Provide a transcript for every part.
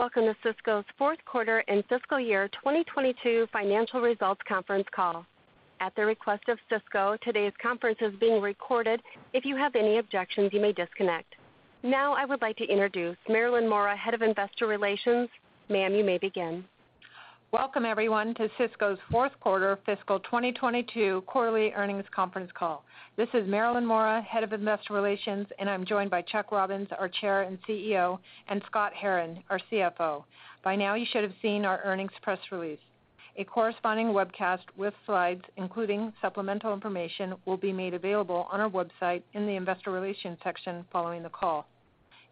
Welcome to Cisco's fourth quarter and fiscal year 2022 financial results conference call. At the request of Cisco, today's conference is being recorded. If you have any objections, you may disconnect. Now I would like to introduce Marilyn Mora, Head of Investor Relations. Ma'am, you may begin. Welcome everyone, to Cisco's fourth quarter fiscal 2022 quarterly earnings conference call. This is Marilyn Mora, Head of Investor Relations, and I'm joined by Chuck Robbins, our Chair and CEO, and Scott Herren, our CFO. By now, you should have seen our earnings press release. A corresponding webcast with slides, including supplemental information, will be made available on our website in the Investor Relations section following the call.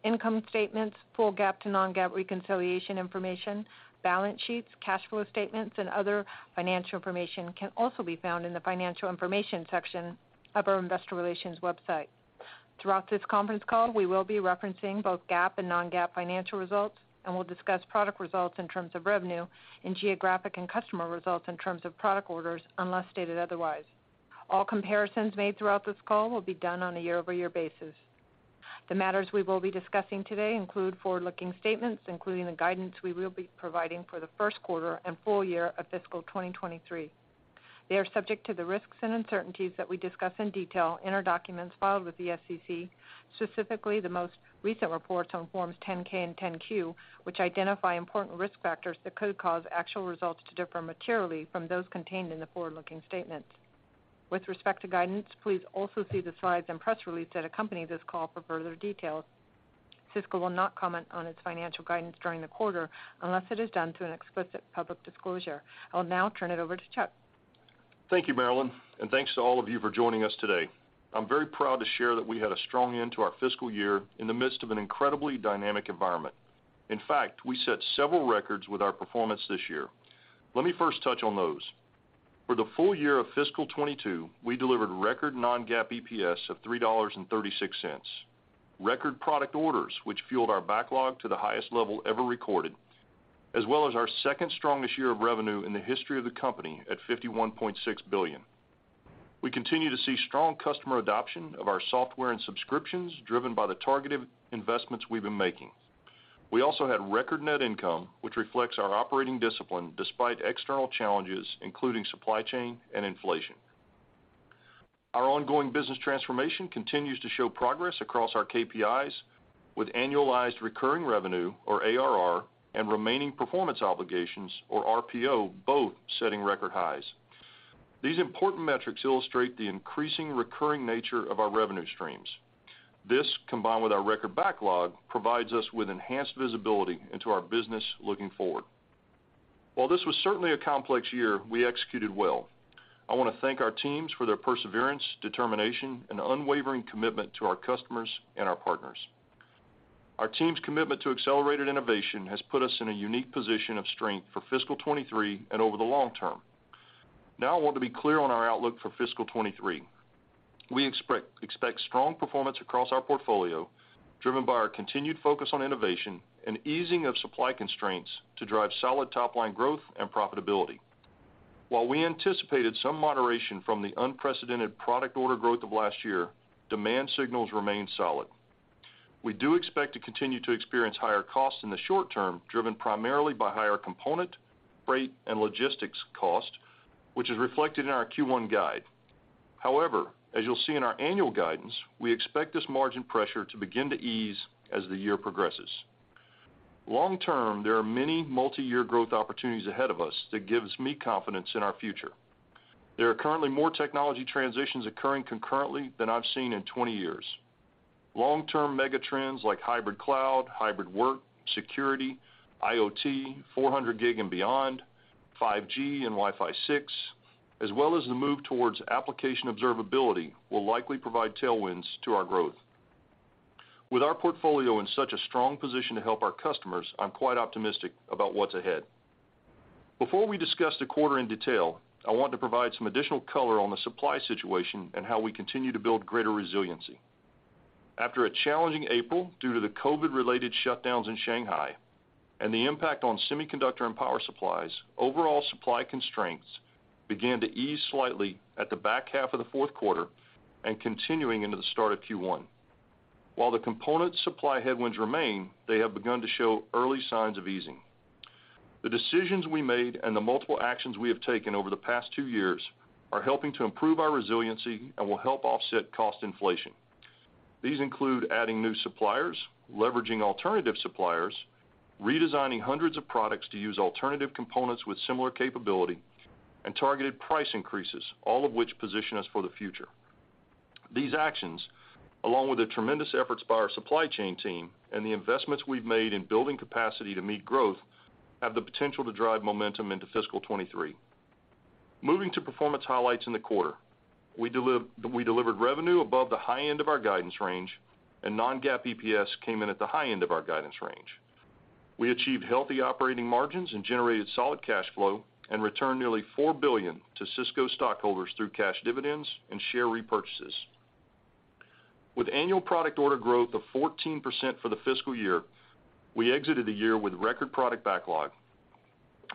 Income statements, full GAAP to non-GAAP reconciliation information, balance sheets, cash flow statements, and other financial information can also be found in the Financial Information section of our Investor Relations website. Throughout this conference call, we will be referencing both GAAP and non-GAAP financial results, and we'll discuss product results in terms of revenue and geographic and customer results in terms of product orders, unless stated otherwise. All comparisons made throughout this call will be done on a year-over-year basis. The matters we will be discussing today include forward-looking statements, including the guidance we will be providing for the first quarter and full year of fiscal 2023. They are subject to the risks and uncertainties that we discuss in detail in our documents filed with the SEC, specifically the most recent reports on forms 10-K and 10-Q, which identify important risk factors that could cause actual results to differ materially from those contained in the forward-looking statements. With respect to guidance, please also see the slides and press release that accompany this call for further details. Cisco will not comment on its financial guidance during the quarter unless it is done through an explicit public disclosure. I will now turn it over to Chuck. Thank you, Marilyn and thanks to all of you for joining us today. I'm very proud to share that we had a strong end to our fiscal year in the midst of an incredibly dynamic environment. In fact, we set several records with our performance this year. Let me first touch on those. For the full year of fiscal 2022, we delivered record non-GAAP EPS of $3.36, record product orders, which fueled our backlog to the highest level ever recorded, as well as our second strongest year of revenue in the history of the company at $51.6 billion. We continue to see strong customer adoption of our software and subscriptions driven by the targeted investments we've been making. We also had record net income, which reflects our operating discipline despite external challenges, including supply chain and inflation. Our ongoing business transformation continues to show progress across our KPIs with annualized recurring revenue, or ARR, and remaining performance obligations, or RPO, both setting record highs. These important metrics illustrate the increasing recurring nature of our revenue streams. This, combined with our record backlog, provides us with enhanced visibility into our business looking forward. While this was certainly a complex year, we executed well. I wanna thank our teams for their perseverance, determination, and unwavering commitment to our customers and our partners. Our team's commitment to accelerated innovation has put us in a unique position of strength for fiscal 2023 and over the long-term. Now, I want to be clear on our outlook for fiscal 2023. We expect strong performance across our portfolio, driven by our continued focus on innovation and easing of supply constraints to drive solid top line growth and profitability. While we anticipated some moderation from the unprecedented product order growth of last year, demand signals remain solid. We do expect to continue to experience higher costs in the short-term, driven primarily by higher component, freight, and logistics cost, which is reflected in our Q1 guide. However, as you'll see in our annual guidance, we expect this margin pressure to begin to ease as the year progresses. Long-term, there are many multi-year growth opportunities ahead of us that gives me confidence in our future. There are currently more technology transitions occurring concurrently than I've seen in 20 years. Long-term mega trends like hybrid cloud, hybrid work, security, IoT, 400 gig and beyond, 5G and Wi-Fi 6, as well as the move towards application observability, will likely provide tailwinds to our growth. With our portfolio in such a strong position to help our customers, I'm quite optimistic about what's ahead. Before we discuss the quarter in detail, I want to provide some additional color on the supply situation and how we continue to build greater resiliency. After a challenging April due to the COVID-related shutdowns in Shanghai and the impact on semiconductor and power supplies, overall supply constraints began to ease slightly at the back half of the fourth quarter and continuing into the start of Q1. While the component supply headwinds remain, they have begun to show early signs of easing. The decisions we made and the multiple actions we have taken over the past two years are helping to improve our resiliency and will help offset cost inflation. These include adding new suppliers, leveraging alternative suppliers, redesigning hundreds of products to use alternative components with similar capability and targeted price increases, all of which position us for the future. These actions, along with the tremendous efforts by our supply chain team and the investments we've made in building capacity to meet growth, have the potential to drive momentum into fiscal 2023. Moving to performance highlights in the quarter, we delivered revenue above the high end of our guidance range, and non-GAAP EPS came in at the high end of our guidance range. We achieved healthy operating margins and generated solid cash flow and returned nearly $4 billion to Cisco stockholders through cash dividends and share repurchases. With annual product order growth of 14% for the fiscal year, we exited the year with record product backlog.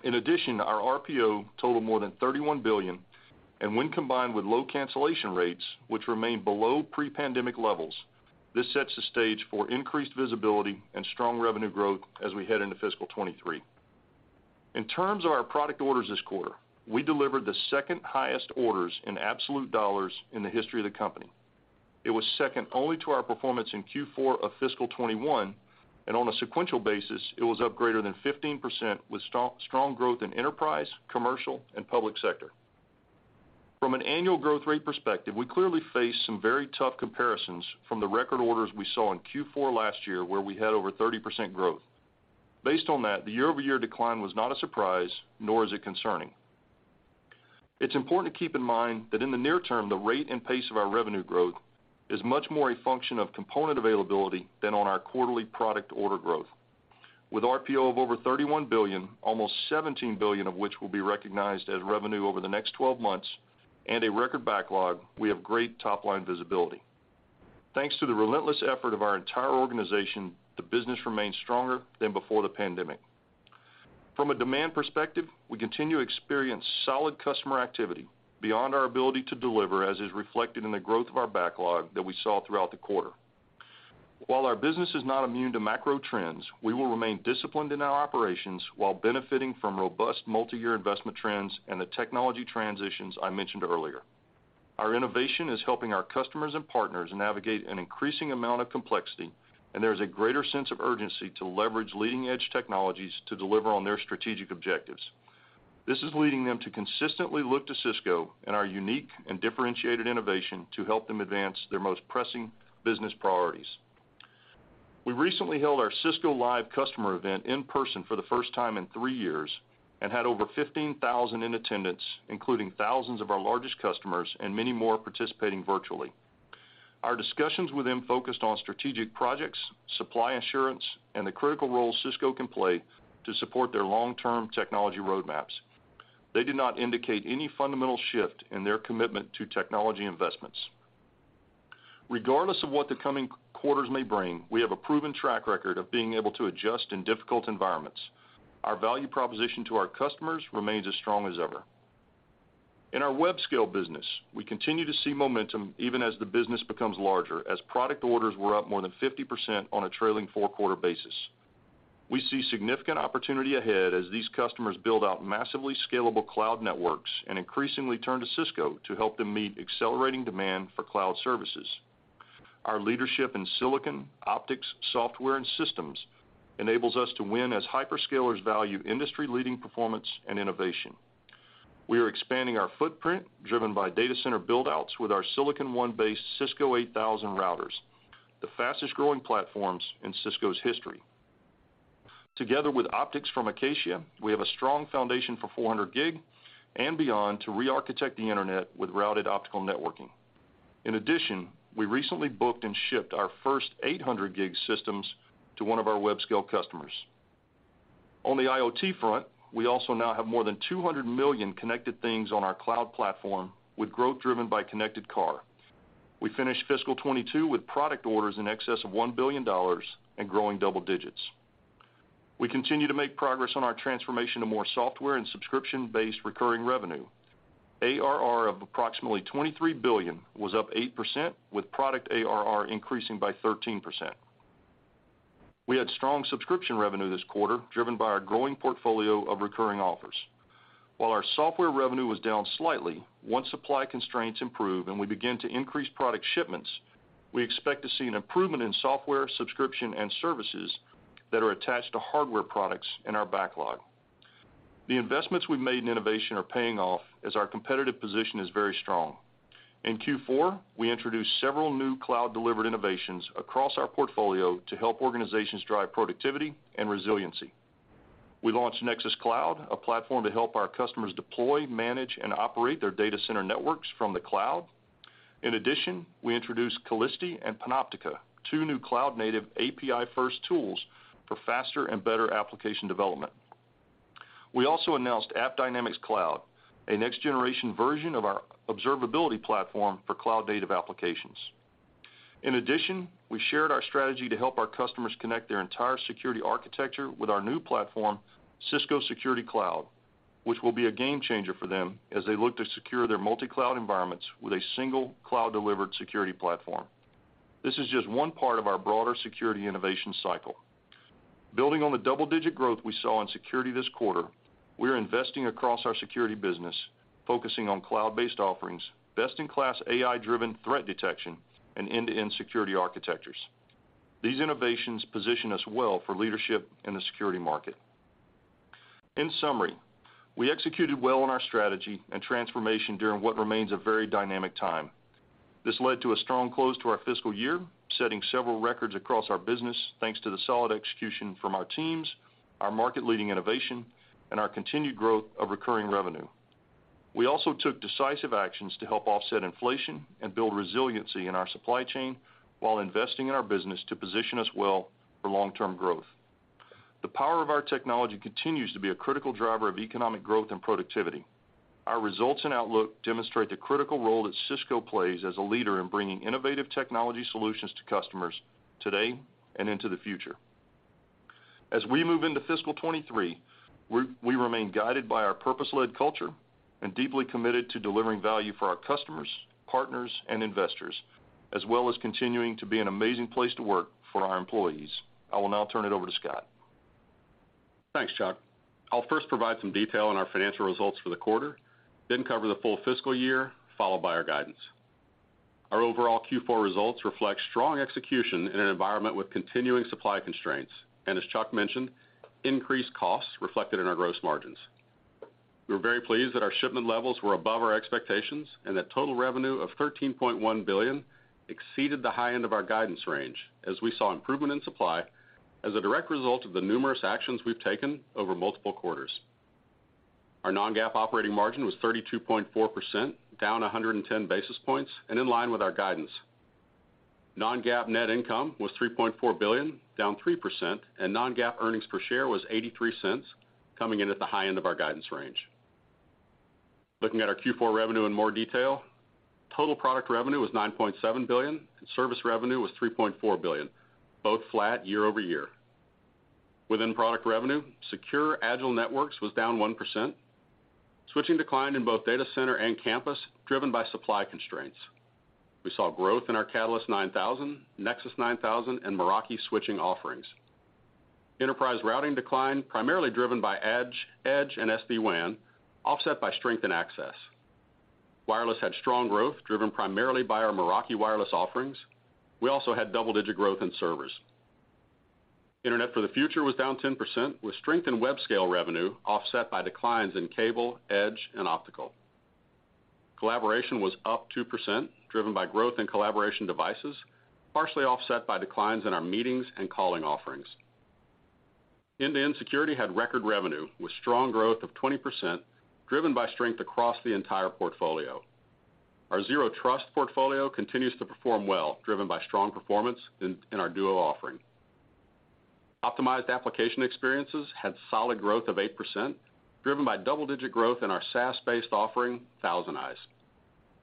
In addition, our RPO totaled more than $31 billion, and when combined with low cancellation rates, which remain below pre-pandemic levels, this sets the stage for increased visibility and strong revenue growth as we head into fiscal 2023. In terms of our product orders this quarter, we delivered the second highest orders in absolute dollars in the history of the company. It was second only to our performance in Q4 of fiscal 2021, and on a sequential basis, it was up greater than 15% with strong growth in enterprise, commercial, and public sector. From an annual growth rate perspective, we clearly face some very tough comparisons from the record orders we saw in Q4 last year, where we had over 30% growth. Based on that, the year-over-year decline was not a surprise, nor is it concerning. It's important to keep in mind that in the near-term, the rate and pace of our revenue growth is much more a function of component availability than on our quarterly product order growth. With RPO of over $31 billion, almost $17 billion of which will be recognized as revenue over the next 12 months, and a record backlog, we have great top-line visibility. Thanks to the relentless effort of our entire organization, the business remains stronger than before the pandemic. From a demand perspective, we continue to experience solid customer activity beyond our ability to deliver, as is reflected in the growth of our backlog that we saw throughout the quarter. While our business is not immune to macro trends, we will remain disciplined in our operations while benefiting from robust multiyear investment trends and the technology transitions I mentioned earlier. Our innovation is helping our customers and partners navigate an increasing amount of complexity, and there's a greater sense of urgency to leverage leading-edge technologies to deliver on their strategic objectives. This is leading them to consistently look to Cisco and our unique and differentiated innovation to help them advance their most pressing business priorities. We recently held our Cisco Live customer event in person for the first time in three years and had over 15,000 in attendance, including thousands of our largest customers and many more participating virtually. Our discussions with them focused on strategic projects, supply assurance, and the critical role Cisco can play to support their long-term technology roadmaps. They did not indicate any fundamental shift in their commitment to technology investments. Regardless of what the coming quarters may bring, we have a proven track record of being able to adjust in difficult environments. Our value proposition to our customers remains as strong as ever. In our web scale business, we continue to see momentum even as the business becomes larger, as product orders were up more than 50% on a trailing four-quarter basis. We see significant opportunity ahead as these customers build out massively scalable cloud networks and increasingly turn to Cisco to help them meet accelerating demand for cloud services. Our leadership in silicon, optics, software, and systems enables us to win as hyperscalers value industry-leading performance and innovation. We are expanding our footprint, driven by data center build-outs with our Silicon One-based Cisco 8000 routers, the fastest-growing platforms in Cisco's history. Together with optics from Acacia, we have a strong foundation for 400 gig and beyond to re-architect the internet with routed optical networking. In addition, we recently booked and shipped our first 800 gig systems to one of our web scale customers. On the IoT front, we also now have more than 200 million connected things on our cloud platform with growth driven by connected car. We finished fiscal 2022 with product orders in excess of $1 billion and growing double digits. We continue to make progress on our transformation to more software and subscription-based recurring revenue. ARR of approximately $23 billion was up 8%, with product ARR increasing by 13%. We had strong subscription revenue this quarter, driven by our growing portfolio of recurring offers. While our software revenue was down slightly, once supply constraints improve and we begin to increase product shipments, we expect to see an improvement in software, subscription, and services that are attached to hardware products in our backlog. The investments we've made in innovation are paying off as our competitive position is very strong. In Q4, we introduced several new cloud-delivered innovations across our portfolio to help organizations drive productivity and resiliency. We launched Nexus Cloud, a platform to help our customers deploy, manage, and operate their data center networks from the cloud. In addition, we introduced Calisti and Panoptica, two new cloud-native API-first tools for faster and better application development. We also announced AppDynamics Cloud, a next-generation version of our observability platform for cloud-native applications. In addition, we shared our strategy to help our customers connect their entire security architecture with our new platform, Cisco Security Cloud, which will be a game changer for them as they look to secure their multi-cloud environments with a single cloud-delivered security platform. This is just one part of our broader security innovation cycle. Building on the double-digit growth we saw in security this quarter, we're investing across our security business, focusing on cloud-based offerings, best-in-class AI-driven threat detection, and end-to-end security architectures. These innovations position us well for leadership in the security market. In summary, we executed well on our strategy and transformation during what remains a very dynamic time. This led to a strong close to our fiscal year, setting several records across our business, thanks to the solid execution from our teams, our market-leading innovation, and our continued growth of recurring revenue. We also took decisive actions to help offset inflation and build resiliency in our supply chain while investing in our business to position us well for long-term growth. The power of our technology continues to be a critical driver of economic growth and productivity. Our results and outlook demonstrate the critical role that Cisco plays as a leader in bringing innovative technology solutions to customers today and into the future. As we move into fiscal 2023, we remain guided by our purpose-led culture and deeply committed to delivering value for our customers, partners, and investors, as well as continuing to be an amazing place to work for our employees. I will now turn it over to Scott. Thanks, Chuck. I'll first provide some detail on our financial results for the quarter, then cover the full fiscal year, followed by our guidance. Our overall Q4 results reflect strong execution in an environment with continuing supply constraints, and as Chuck mentioned, increased costs reflected in our gross margins. We're very pleased that our shipment levels were above our expectations, and that total revenue of $13.1 billion exceeded the high end of our guidance range as we saw improvement in supply as a direct result of the numerous actions we've taken over multiple quarters. Our non-GAAP operating margin was 32.4%, down 110 basis points and in line with our guidance. Non-GAAP net income was $3.4 billion, down 3%, and non-GAAP earnings per share was $0.83, coming in at the high end of our guidance range. Looking at our Q4 revenue in more detail, total product revenue was $9.7 billion and service revenue was $3.4 billion, both flat year-over-year. Within product revenue, Secure, Agile Networks was down 1%. Switching declined in both data center and campus, driven by supply constraints. We saw growth in our Catalyst 9000, Nexus 9000 and Meraki switching offerings. Enterprise routing declined, primarily driven by edge and SD-WAN, offset by strength in access. Wireless had strong growth, driven primarily by our Meraki wireless offerings. We also had double-digit growth in servers. Internet for the Future was down 10%, with strength in web scale revenue offset by declines in cable, edge and optical. Collaboration was up 2%, driven by growth in collaboration devices, partially offset by declines in our meetings and calling offerings. End-to-end Security had record revenue with strong growth of 20%, driven by strength across the entire portfolio. Our Zero Trust portfolio continues to perform well, driven by strong performance in our Duo offering. Optimized Application Experiences had solid growth of 8%, driven by double-digit growth in our SaaS-based offering, ThousandEyes.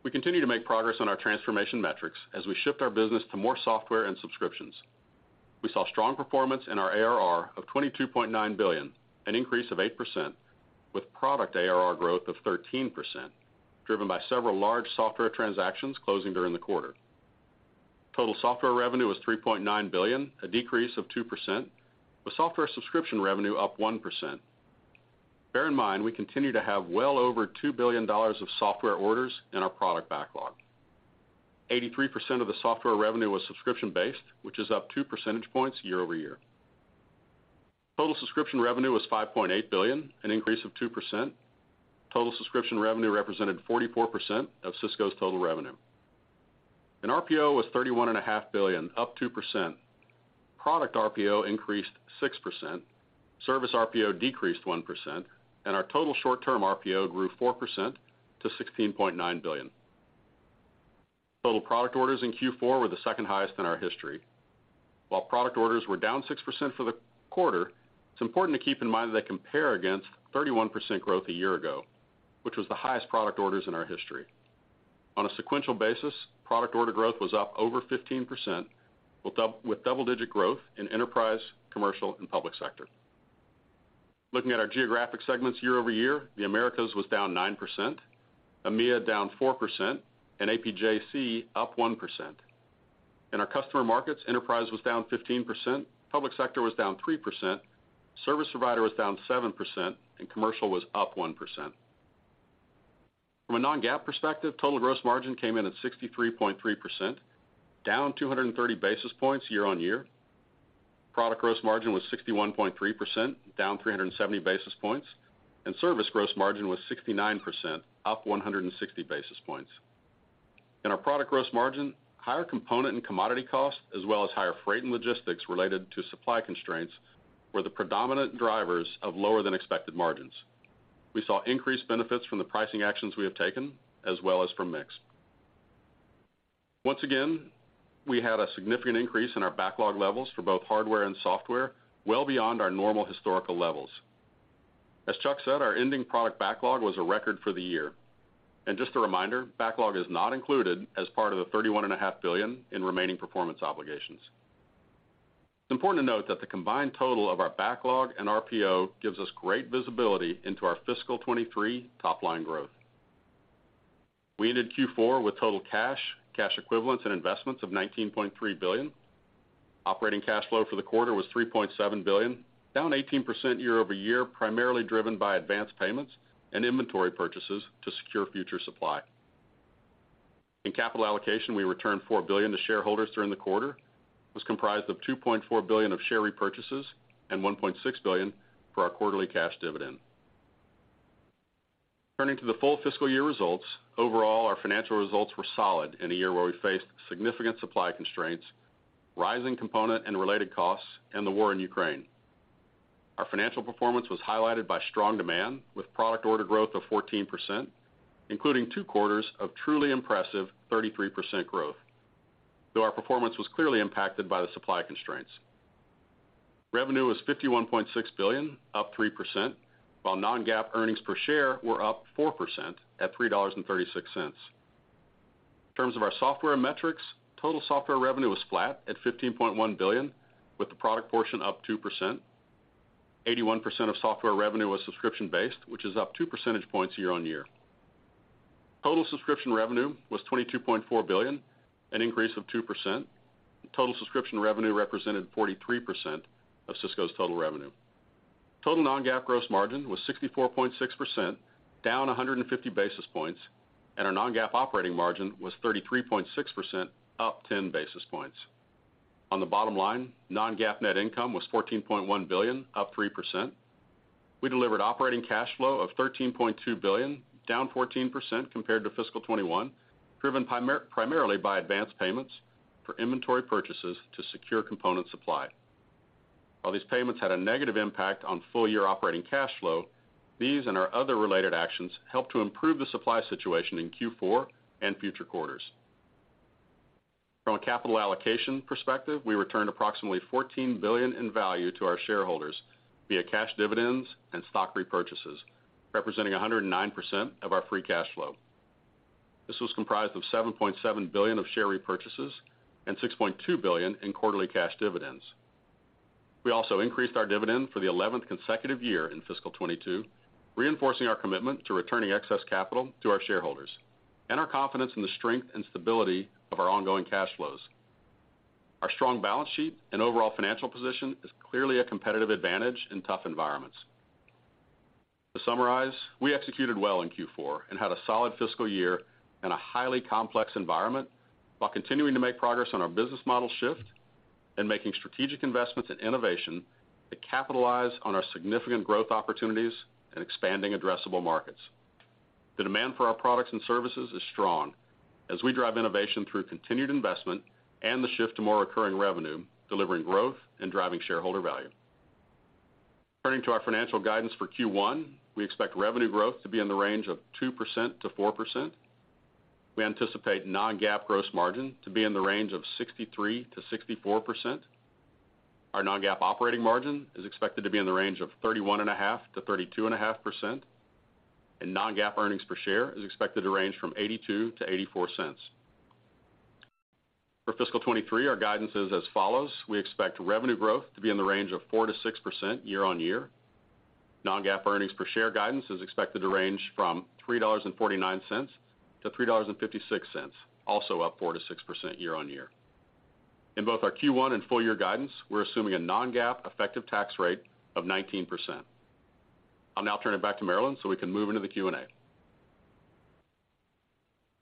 We continue to make progress on our transformation metrics as we shift our business to more software and subscriptions. We saw strong performance in our ARR of $22.9 billion, an increase of 8%, with product ARR growth of 13%, driven by several large software transactions closing during the quarter. Total software revenue was $3.9 billion, a decrease of 2%, with software subscription revenue up 1%. Bear in mind, we continue to have well over $2 billion of software orders in our product backlog. 83% of the software revenue was subscription-based, which is up two percentage points year-over-year. Total subscription revenue was $5.8 billion, an increase of 2%. Total subscription revenue represented 44% of Cisco's total revenue. RPO was $31.5 billion, up 2%. Product RPO increased 6%, service RPO decreased 1%, and our total short-term RPO grew 4% to $16.9 billion. Total product orders in Q4 were the second highest in our history. While product orders were down 6% for the quarter, it's important to keep in mind that they compare against 31% growth a year-ago, which was the highest product orders in our history. On a sequential basis, product order growth was up over 15% with double-digit growth in enterprise, commercial, and public sector. Looking at our geographic segments year-over-year, the Americas was down 9%, EMEA down 4%, and APJC up 1%. In our customer markets, enterprise was down 15%, public sector was down 3%, service provider was down 7%, and commercial was up 1%. From a non-GAAP perspective, total gross margin came in at 63.3%, down 230 basis points year-over-year. Product gross margin was 61.3%, down 370 basis points, and service gross margin was 69%, up 160 basis points. In our product gross margin, higher component and commodity costs, as well as higher freight and logistics related to supply constraints, were the predominant drivers of lower than expected margins. We saw increased benefits from the pricing actions we have taken, as well as from mix. Once again, we had a significant increase in our backlog levels for both hardware and software, well beyond our normal historical levels. As Chuck said, our ending product backlog was a record for the year. Just a reminder, backlog is not included as part of the $31.5 billion in remaining performance obligations. It's important to note that the combined total of our backlog and RPO gives us great visibility into our fiscal 2023 top line growth. We ended Q4 with total cash equivalents and investments of $19.3 billion. Operating cash flow for the quarter was $3.7 billion, down 18% year-over-year, primarily driven by advanced payments and inventory purchases to secure future supply. In capital allocation, we returned $4 billion to shareholders during the quarter. It was comprised of $2.4 billion of share repurchases and $1.6 billion for our quarterly cash dividend. Turning to the full fiscal year results, overall, our financial results were solid in a year where we faced significant supply constraints, rising component and related costs, and the war in Ukraine. Our financial performance was highlighted by strong demand, with product order growth of 14%, including two quarters of truly impressive 33% growth, though our performance was clearly impacted by the supply constraints. Revenue was $51.6 billion, up 3%, while non-GAAP earnings per share were up 4% at $3.36. In terms of our software metrics, total software revenue was flat at $15.1 billion, with the product portion up 2%. 81% of software revenue was subscription-based, which is up two percentage points year-over-year. Total subscription revenue was $22.4 billion, an increase of 2%. Total subscription revenue represented 43% of Cisco's total revenue. Total non-GAAP gross margin was 64.6%, down 150 basis points, and our non-GAAP operating margin was 33.6%, up 10 basis points. On the bottom line, non-GAAP net income was $14.1 billion, up 3%. We delivered operating cash flow of $13.2 billion, down 14% compared to fiscal 2021, driven primarily by advanced payments for inventory purchases to secure component supply. While these payments had a negative impact on full year operating cash flow, these and our other related actions helped to improve the supply situation in Q4 and future quarters. From a capital allocation perspective, we returned approximately $14 billion in value to our shareholders via cash dividends and stock repurchases, representing 109% of our free cash flow. This was comprised of $7.7 billion of share repurchases and $6.2 billion in quarterly cash dividends. We also increased our dividend for the 11th consecutive year in fiscal 2022, reinforcing our commitment to returning excess capital to our shareholders and our confidence in the strength and stability of our ongoing cash flows. Our strong balance sheet and overall financial position is clearly a competitive advantage in tough environments. To summarize, we executed well in Q4 and had a solid fiscal year in a highly complex environment while continuing to make progress on our business model shift and making strategic investments in innovation to capitalize on our significant growth opportunities and expanding addressable markets. The demand for our products and services is strong as we drive innovation through continued investment and the shift to more recurring revenue, delivering growth and driving shareholder value. Turning to our financial guidance for Q1, we expect revenue growth to be in the range of 2%-4%. We anticipate non-GAAP gross margin to be in the range of 63%-64%. Our non-GAAP operating margin is expected to be in the range of 31.5%-32.5%, and non-GAAP earnings per share is expected to range from $0.82-$0.84. For fiscal 2023, our guidance is as follows. We expect revenue growth to be in the range of 4%-6% year-over-year. Non-GAAP earnings per share guidance is expected to range from $3.49-$3.56, also up 4%-6% year-on-year. In both our Q1 and full year guidance, we're assuming a non-GAAP effective tax rate of 19%. I'll now turn it back to Marilyn, so we can move into the Q&A.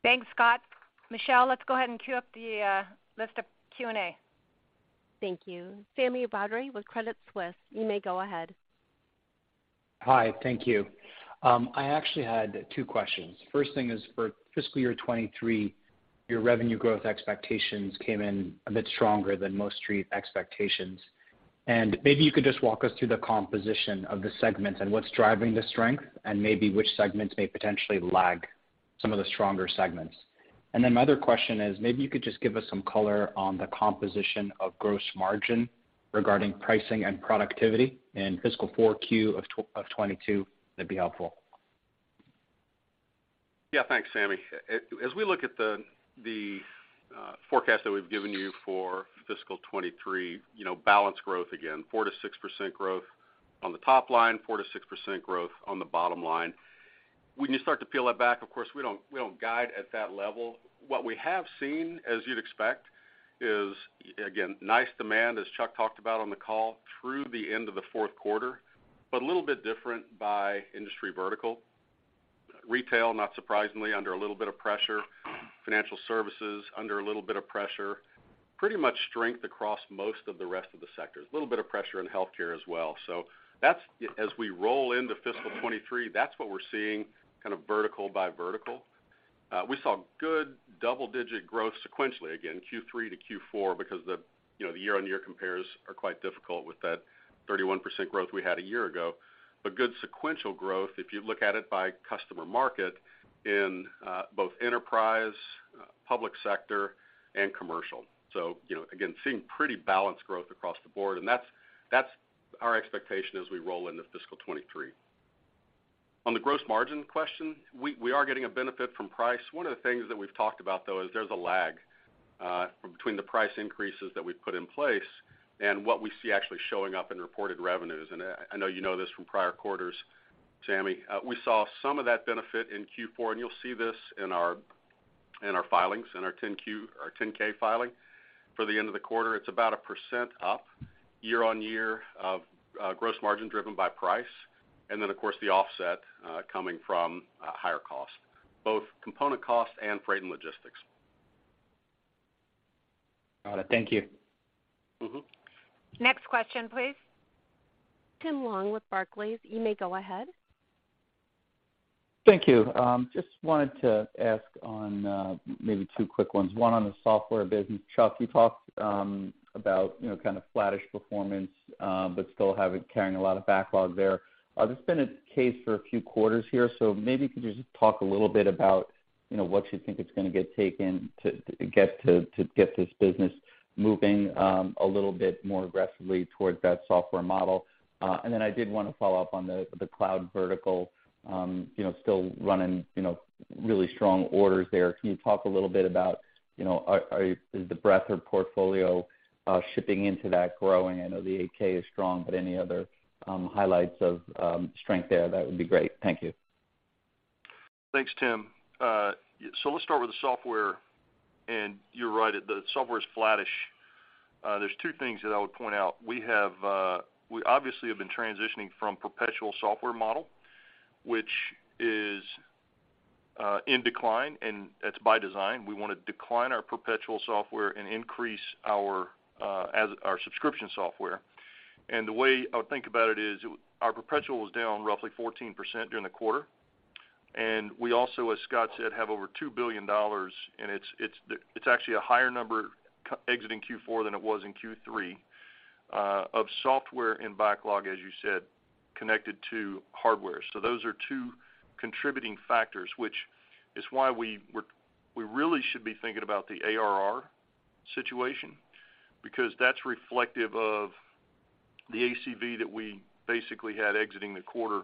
Thanks, Scott. Michelle, let's go ahead and queue up the list of Q&A. Thank you. Sami Badri with Credit Suisse, you may go ahead. Hi. Thank you. I actually had two questions. First thing is for fiscal year 2023, your revenue growth expectations came in a bit stronger than most street expectations. Maybe you could just walk us through the composition of the segments and what's driving the strength and maybe which segments may potentially lag some of the stronger segments. Then my other question is, maybe you could just give us some color on the composition of gross margin regarding pricing and productivity in fiscal Q4 of 2022. That'd be helpful. Yeah. Thanks, Sami. As we look at the forecast that we've given you for fiscal 2023, you know, balanced growth, again, 4%-6% growth on the top line, 4%-6% growth on the bottom line. When you start to peel that back, of course, we don't guide at that level. What we have seen, as you'd expect, is nice demand, as Chuck talked about on the call, through the end of the fourth quarter, but a little bit different by industry vertical. Retail, not surprisingly, under a little bit of pressure. Financial services, under a little bit of pressure. Pretty much strength across most of the rest of the sectors. A little bit of pressure in healthcare as well. As we roll into fiscal 2023, that's what we're seeing kind of vertical by vertical. We saw good double-digit growth sequentially, again, Q3 to Q4, because you know, the year-on-year compares are quite difficult with that 31% growth we had a year-ago. Good sequential growth, if you look at it by customer market in both enterprise, public sector, and commercial. You know, again, seeing pretty balanced growth across the board, and that's our expectation as we roll into fiscal 2023. On the gross margin question, we are getting a benefit from price. One of the things that we've talked about, though, is there's a lag between the price increases that we've put in place and what we see actually showing up in reported revenues. I know you know this from prior quarters, Sami. We saw some of that benefit in Q4, and you'll see this in our filings, in our 10-Q or 10-K filing for the end of the quarter. It's about 1% up year-on-year of gross margin driven by price. Then, of course, the offset coming from higher cost, both component cost and freight and logistics. Got it. Thank you. Next question, please. Tim Long with Barclays, you may go ahead. Thank you. Just wanted to ask on, maybe two quick ones, one on the software business. Chuck, you talked about, you know, kind of flattish performance, but still carrying a lot of backlog there. That's been the case for a few quarters here, so maybe you could just talk a little bit about you know, what you think is going to get this business moving a little bit more aggressively towards that software model. I did want to follow up on the cloud vertical, you know, really strong orders there. Can you talk a little bit about, you know, is the breadth of portfolio shipping into that growing? I know the Acacia is strong, but any other highlights of strength there, that would be great. Thank you. Thanks, Tim. So let's start with the software. You're right, the software is flattish. There's two things that I would point out. We have, we obviously have been transitioning from perpetual software model, which is, in decline, and that's by design. We want to decline our perpetual software and increase our subscription software. The way I would think about it is, our perpetual was down roughly 14% during the quarter. We also, as Scott said, have over $2 billion, and it's actually a higher number exiting Q4 than it was in Q3, of software in backlog, as you said, connected to hardware. Those are two contributing factors, which is why we really should be thinking about the ARR situation because that's reflective of the ACV that we basically had exiting the quarter.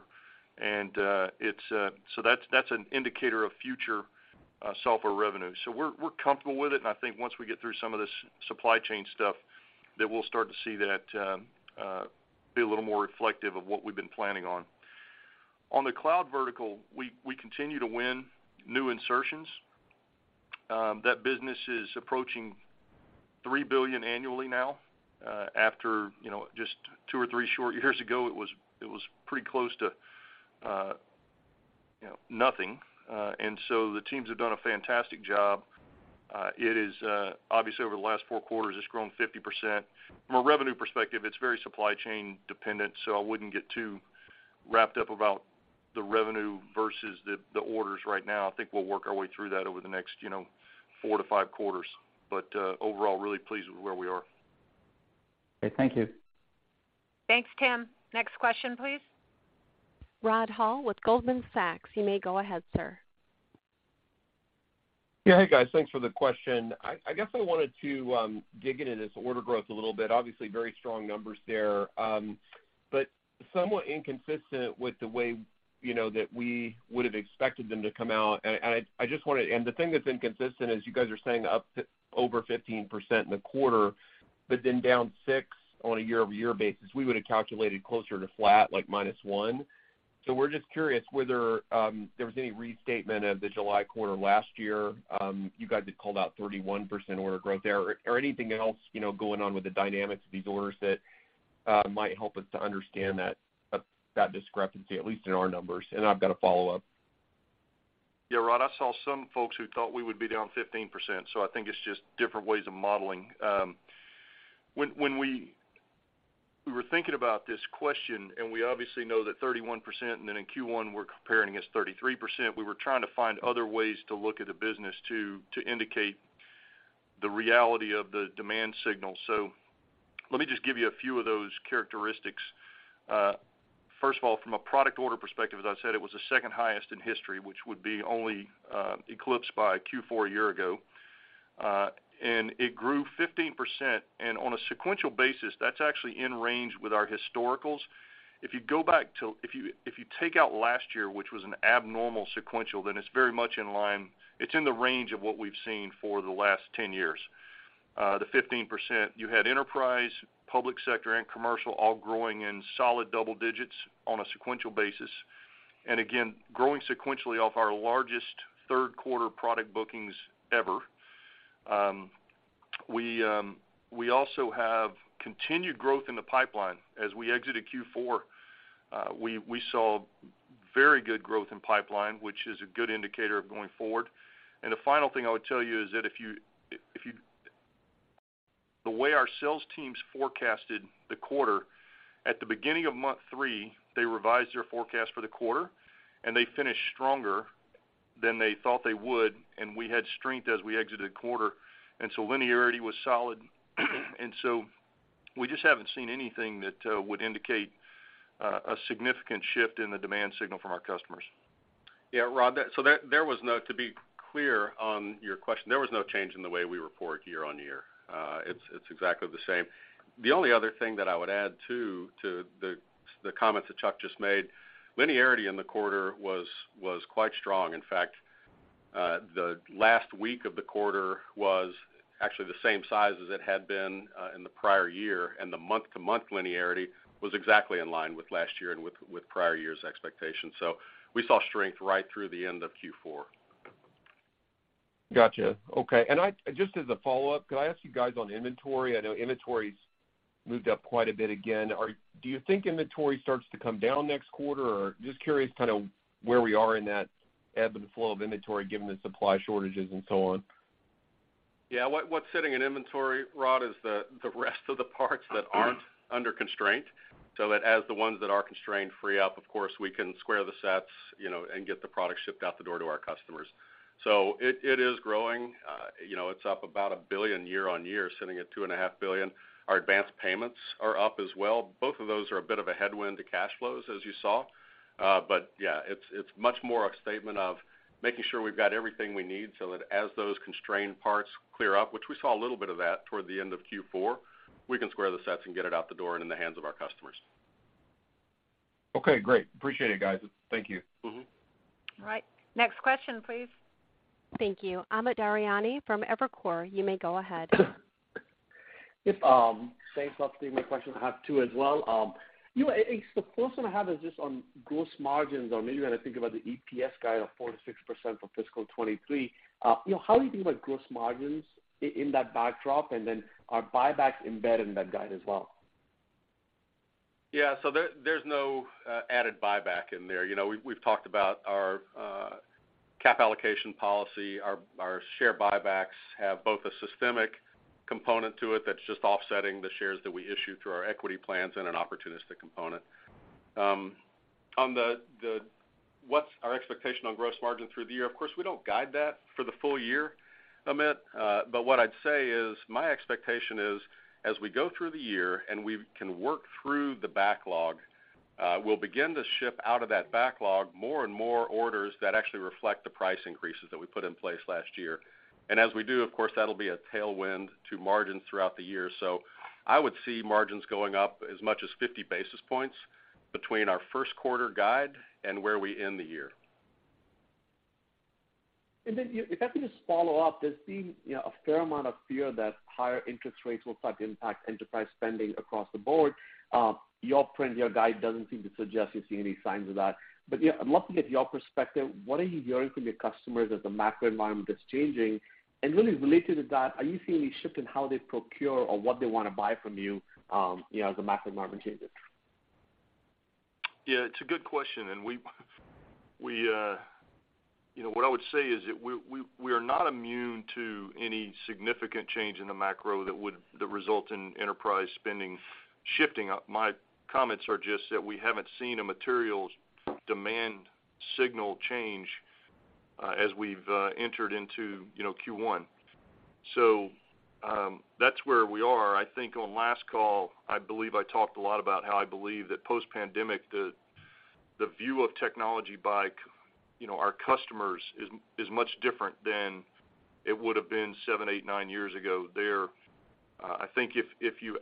It's so that's an indicator of future software revenue. We're comfortable with it. I think once we get through some of this supply chain stuff, that we'll start to see that be a little more reflective of what we've been planning on. On the cloud vertical, we continue to win new insertions. That business is approaching $3 billion annually now, after you know just two or three short years ago, it was pretty close to you know nothing. The teams have done a fantastic job. It is obviously over the last four quarters, it's grown 50%. From a revenue perspective, it's very supply chain dependent, so I wouldn't get too wrapped up about the revenue versus the orders right now. I think we'll work our way through that over the next, you know, four to five quarters. Overall, really pleased with where we are. Okay. Thank you. Thanks, Tim. Next question, please. Rod Hall with Goldman Sachs. You may go ahead, sir. Yeah. Hey, guys. Thanks for the question. I guess I wanted to dig into this order growth a little bit. Obviously, very strong numbers there, but somewhat inconsistent with the way, you know, that we would have expected them to come out. The thing that's inconsistent is you guys are saying up to over 15% in the quarter, but then down 6% on a year-over-year basis. We would have calculated closer to flat, like minus 1%. We're just curious whether there was any restatement of the July quarter last year. You guys had called out 31% order growth there, or anything else, you know, going on with the dynamics of these orders that might help us to understand that discrepancy, at least in our numbers. I've got a follow-up. Yeah, Rod, I saw some folks who thought we would be down 15%, so I think it's just different ways of modeling. When we were thinking about this question, and we obviously know that 31%, and then in Q1, we're comparing as 33%, we were trying to find other ways to look at the business to indicate the reality of the demand signal. Let me just give you a few of those characteristics. First of all, from a product order perspective, as I said, it was the second highest in history, which would be only eclipsed by Q4 a year ago. It grew 15%. On a sequential basis, that's actually in range with our historicals. If you take out last year, which was an abnormal sequential, then it's very much in line. It's in the range of what we've seen for the last 10 years. The 15%, you had enterprise, public sector, and commercial all growing in solid double digits on a sequential basis, and again, growing sequentially off our largest third quarter product bookings ever. We also have continued growth in the pipeline. As we exited Q4, we saw very good growth in pipeline, which is a good indicator of going forward. The final thing I would tell you is that the way our sales teams forecasted the quarter, at the beginning of month three, they revised their forecast for the quarter, and they finished stronger than they thought they would, and we had strength as we exited quarter. Linearity was solid. We just haven't seen anything that would indicate a significant shift in the demand signal from our customers. Yeah, Rod, to be clear on your question, there was no change in the way we report year-on-year. It's exactly the same. The only other thing that I would add to the comment that Chuck just made, linearity in the quarter was quite strong. In fact, the last week of the quarter was actually the same size as it had been in the prior year, and the month-to-month linearity was exactly in line with last year and with prior-year's expectations. We saw strength right through the end of Q4. Gotcha. Okay. Just as a follow-up, could I ask you guys on inventory? I know inventory's moved up quite a bit again. Do you think inventory starts to come down next quarter? Or just curious kind of where we are in that ebb and flow of inventory given the supply shortages and so on. Yeah, what's sitting in inventory, Rod, is the rest of the parts that aren't under constraint, so that as the ones that are constrained free up, of course, we can square the sets, you know, and get the product shipped out the door to our customers. It is growing. You know, it's up about $1 billion year-over-year, sitting at $2.5 billion. Our advance payments are up as well. Both of those are a bit of a headwind to cash flows, as you saw. Yeah, it's much more a statement of making sure we've got everything we need so that as those constrained parts clear up, which we saw a little bit of that toward the end of Q4, we can square the sets and get it out the door and in the hands of our customers. Okay, great. Appreciate it, guys. Thank you. All right. Next question, please. Thank you. Amit Daryanani from Evercore, you may go ahead. Yep, thanks a lot for taking my question. I have two as well. You know, I guess the first one I have is just on gross margins or maybe when I think about the EPS guide of 4%-6% for fiscal 2023, you know, how are you thinking about gross margins in that backdrop? And then are buybacks embedded in that guide as well? There's no added buyback in there. We've talked about our capital allocation policy. Our share buybacks have both a systematic component to it that's just offsetting the shares that we issue through our equity plans and an opportunistic component. What's our expectation on gross margin through the year? Of course, we don't guide that for the full year, Amit. What I'd say is my expectation is as we go through the year and we can work through the backlog, we'll begin to ship out of that backlog more and more orders that actually reflect the price increases that we put in place last year. As we do, of course, that'll be a tailwind to margins throughout the year. I would see margins going up as much as 50 basis points between our first quarter guide and where we end the year. If I could just follow up, there's been, you know, a fair amount of fear that higher interest rates will start to impact enterprise spending across the board. Your print, your guide doesn't seem to suggest you're seeing any signs of that. You know, I'd love to get your perspective, what are you hearing from your customers as the macro environment is changing? Really related to that, are you seeing any shift in how they procure or what they wanna buy from you know, as the macro environment changes? Yeah, it's a good question. You know, what I would say is that we are not immune to any significant change in the macro that result in enterprise spending shifting. My comments are just that we haven't seen a materials demand signal change as we've entered into, you know, Q1. That's where we are. I think on last call, I believe I talked a lot about how I believe that post-pandemic, the view of technology by, you know, our customers is much different than it would have been seven, eight, nine years ago there. I think if you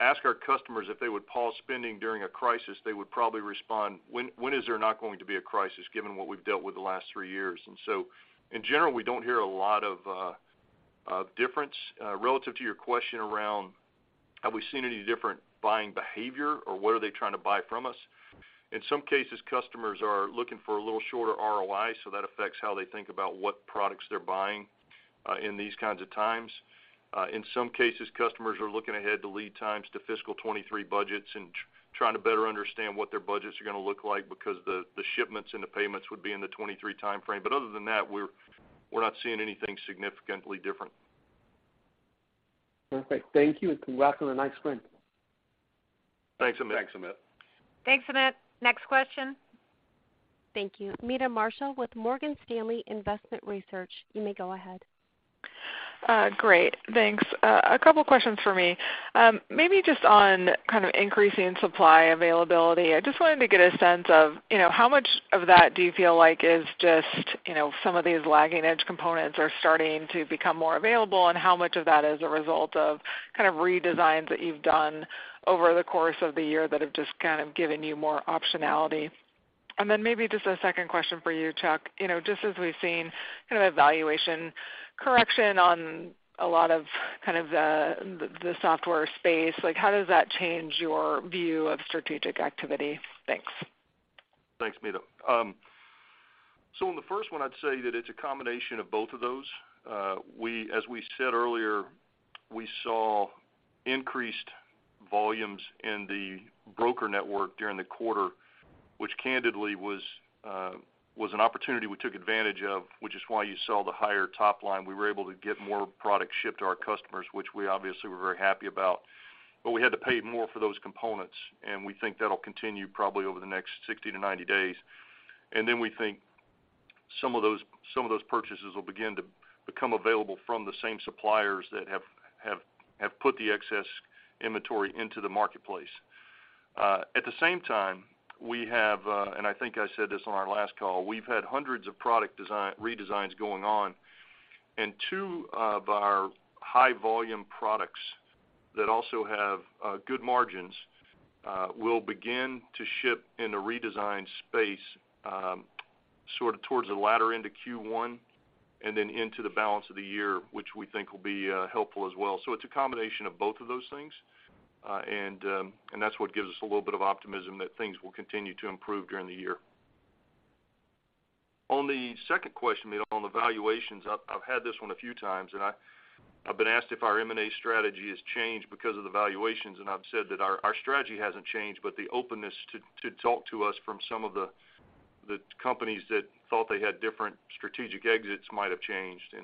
ask our customers if they would pause spending during a crisis, they would probably respond, "When is there not going to be a crisis given what we've dealt with the last three years?" In general, we don't hear a lot of difference. Relative to your question around have we seen any different buying behavior or what are they trying to buy from us, in some cases, customers are looking for a little shorter ROI, so that affects how they think about what products they're buying in these kinds of times. In some cases, customers are looking ahead to lead times to fiscal 2023 budgets and trying to better understand what their budgets are gonna look like because the shipments and the payments would be in the 2023 timeframe. Other than that, we're not seeing anything significantly different. Perfect. Thank you, and congrats on a nice quarter. Thanks, Amit. Thanks, Amit. Next question. Thank you. Meta Marshall with Morgan Stanley Investment Research, you may go ahead. Great. Thanks. A couple questions for me. Maybe just on kind of increasing supply availability, I just wanted to get a sense of, you know, how much of that do you feel like is just, you know, some of these lagging edge components are starting to become more available, and how much of that is a result of kind of redesigns that you've done over the course of the year that have just kind of given you more optionality? Maybe just a second question for you, Chuck. You know, just as we've seen kind of a valuation correction on a lot of kind of the software space, like how does that change your view of strategic activity? Thanks. Thanks, Meta. On the first one, I'd say that it's a combination of both of those. As we said earlier, we saw increased volumes in the broader network during the quarter, which candidly was an opportunity we took advantage of, which is why you saw the higher top line. We were able to get more product shipped to our customers, which we obviously were very happy about. We had to pay more for those components, and we think that'll continue probably over the next 60-90 days. Then we think some of those purchases will begin to become available from the same suppliers that have put the excess inventory into the marketplace. At the same time, we have, and I think I said this on our last call, we've had hundreds of product redesigns going on. Two of our high volume products that also have good margins will begin to ship in a redesigned space, sort of towards the latter end of Q1 and then into the balance of the year, which we think will be helpful as well. It's a combination of both of those things. That's what gives us a little bit of optimism that things will continue to improve during the year. On the second question, Meta, on the valuations, I've had this one a few times, and I've been asked if our M&A strategy has changed because of the valuations, and I've said that our strategy hasn't changed, but the openness to talk to us from some of the companies that thought they had different strategic exits might have changed.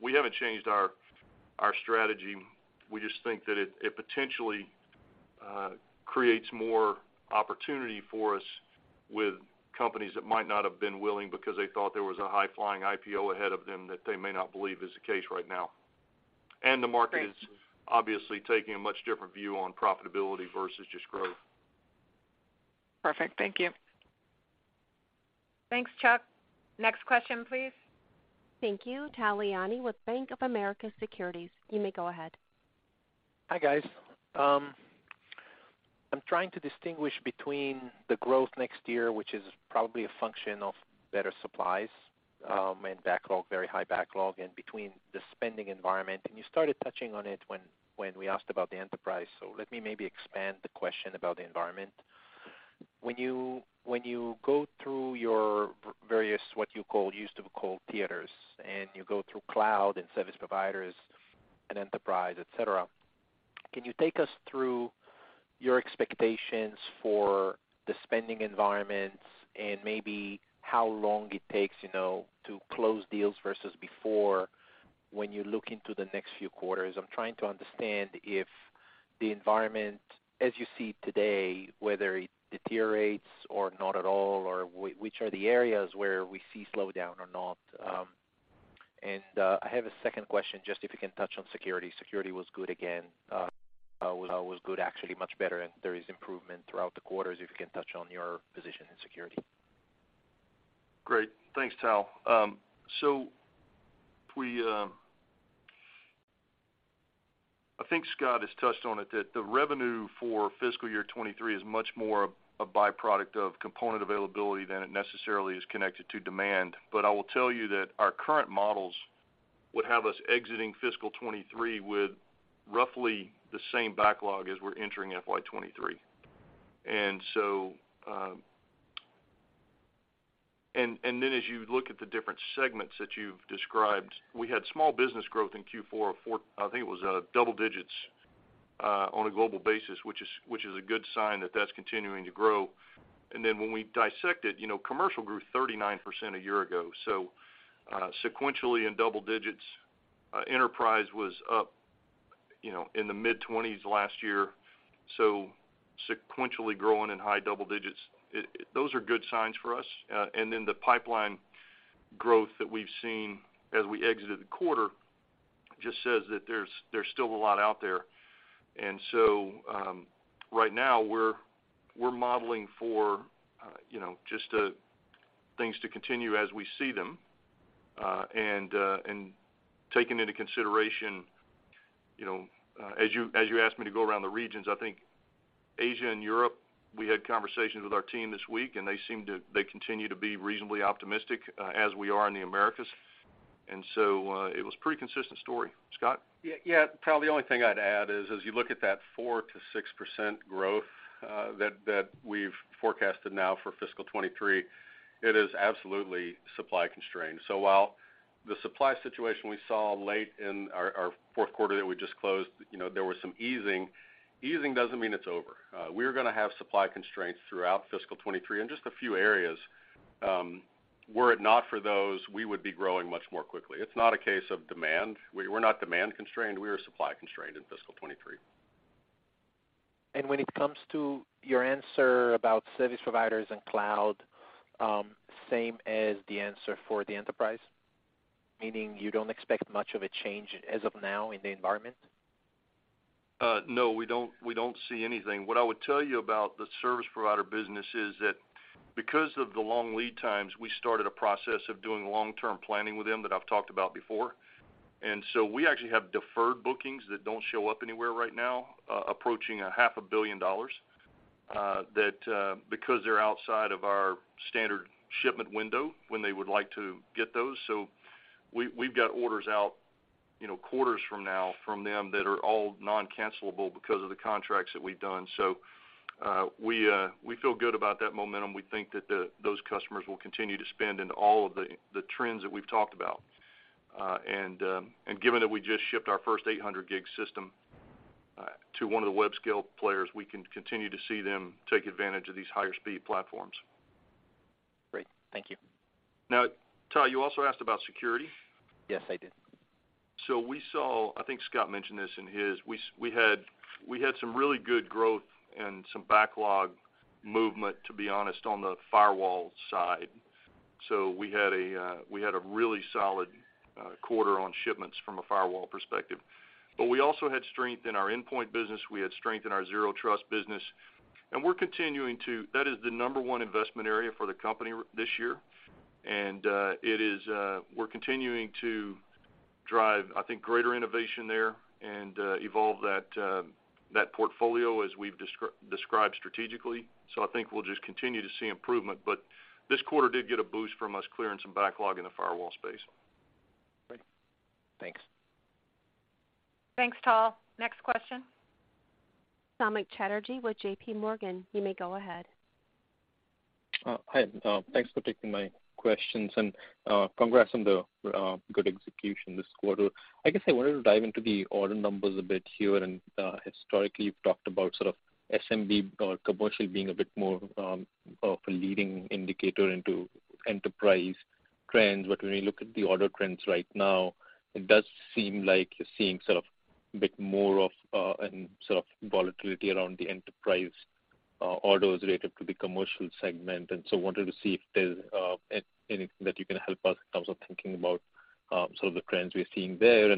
We haven't changed our strategy. We just think that it potentially creates more opportunity for us with companies that might not have been willing because they thought there was a high-flying IPO ahead of them that they may not believe is the case right now. The market is obviously taking a much different view on profitability versus just growth. Perfect. Thank you. Thanks, Chuck. Next question, please. Thank you. Tal Liani with Bank of America Securities. You may go ahead. Hi, guys. I'm trying to distinguish between the growth next year, which is probably a function of better supplies, and backlog, very high backlog, and between the spending environment. You started touching on it when we asked about the enterprise. So let me maybe expand the question about the environment. When you go through your various, what you call, used to call theaters, and you go through cloud and service providers and enterprise, etc, can you take us through your expectations for the spending environments and maybe how long it takes, you know, to close deals versus before when you look into the next few quarters? I'm trying to understand if the environment as you see today, whether it deteriorates or not at all, or which are the areas where we see slowdown or not. I have a second question, just if you can touch on security. Security was good again, actually much better, and there is improvement throughout the quarters, if you can touch on your position in security. Great. Thanks, Tal. I think Scott has touched on it, that the revenue for fiscal year 2023 is much more a byproduct of component availability than it necessarily is connected to demand. I will tell you that our current models would have us exiting fiscal 2023 with roughly the same backlog as we're entering FY 2023. Then as you look at the different segments that you've described, we had small business growth in Q4 of double digits on a global basis, which is a good sign that that's continuing to grow. When we dissect it, you know, commercial grew 39% a year ago, so sequentially in double digits. Enterprise was up, you know, in the mid-20s last year, so sequentially growing in high double digits. Those are good signs for us. Then the pipeline growth that we've seen as we exited the quarter just says that there's still a lot out there. Right now we're modeling for you know just things to continue as we see them. Taking into consideration you know as you asked me to go around the regions, I think Asia and Europe, we had conversations with our team this week, and they seem to continue to be reasonably optimistic as we are in the Americas. It was pretty consistent story. Scott? Yeah. Tal, the only thing I'd add is, as you look at that 4%-6% growth that we've forecasted now for fiscal 2023, it is absolutely supply constrained. While the supply situation we saw late in our fourth quarter that we just closed, you know, there was some easing. It doesn't mean it's over. We're gonna have supply constraints throughout fiscal 2023 in just a few areas. Were it not for those, we would be growing much more quickly. It's not a case of demand. We're not demand constrained, we are supply constrained in fiscal 2023. When it comes to your answer about service providers and cloud, same as the answer for the enterprise? Meaning you don't expect much of a change as of now in the environment? No, we don't see anything. What I would tell you about the service provider business is that because of the long lead times, we started a process of doing long-term planning with them that I've talked about before. We actually have deferred bookings that don't show up anywhere right now, approaching a half a billion dollars, because they're outside of our standard shipment window when they would like to get those. We've got orders out, you know, quarters from now from them that are all non-cancelable because of the contracts that we've done. We feel good about that momentum. We think that those customers will continue to spend in all of the trends that we've talked about. Given that we just shipped our first 800 gig system to one of the web scale players, we can continue to see them take advantage of these higher speed platforms. Great. Thank you. Now, Tal, you also asked about security? Yes, I did. We saw, I think Scott mentioned this in his. We had some really good growth and some backlog movement, to be honest, on the firewall side. We had a really solid quarter on shipments from a firewall perspective. But we also had strength in our endpoint business. We had strength in our Zero Trust business. We're continuing to. That is the number one investment area for the company right this year. It is, we're continuing to drive, I think, greater innovation there and evolve that portfolio as we've described strategically. I think we'll just continue to see improvement. But this quarter did get a boost from us clearing some backlog in the firewall space. Great. Thanks. Thanks, Tal Liani. Next question. Samik Chatterjee with JPMorgan. You may go ahead. Hi. Thanks for taking my questions. Congrats on the good execution this quarter. I guess I wanted to dive into the order numbers a bit here. Historically, you've talked about sort of SMB or commercial being a bit more of a leading indicator into enterprise trends. When we look at the order trends right now, it does seem like you're seeing sort of a bit more of sort of volatility around the enterprise. Orders related to the commercial segment, and so wanted to see if there's anything that you can help us in terms of thinking about sort of the trends we're seeing there.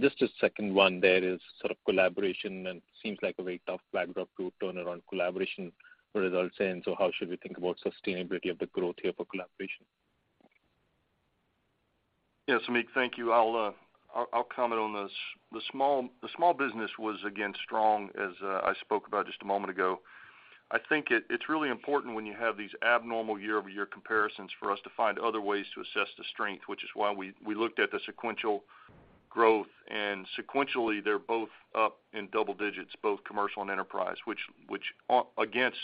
Just a second one there is sort of Collaboration, and seems like a very tough backlog to turn around Collaboration results in. How should we think about sustainability of the growth here for Collaboration? Yes, Samik. Thank you. I'll comment on this. The small business was again strong, as I spoke about just a moment ago. I think it's really important when you have these abnormal year-over-year comparisons for us to find other ways to assess the strength, which is why we looked at the sequential growth. Sequentially, they're both up in double digits, both commercial and enterprise, which, against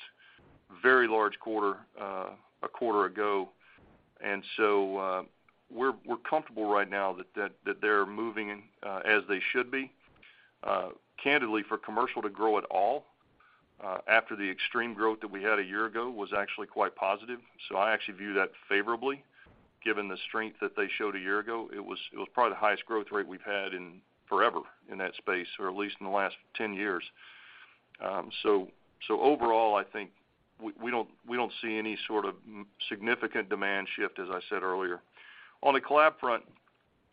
a very large quarter a quarter ago. We're comfortable right now that they're moving as they should be. Candidly, for commercial to grow at all after the extreme growth that we had a year ago was actually quite positive, so I actually view that favorably given the strength that they showed a year ago. It was probably the highest growth rate we've had in forever in that space, or at least in the last 10 years. Overall, I think we don't see any sort of significant demand shift, as I said earlier. On the Collaboration front,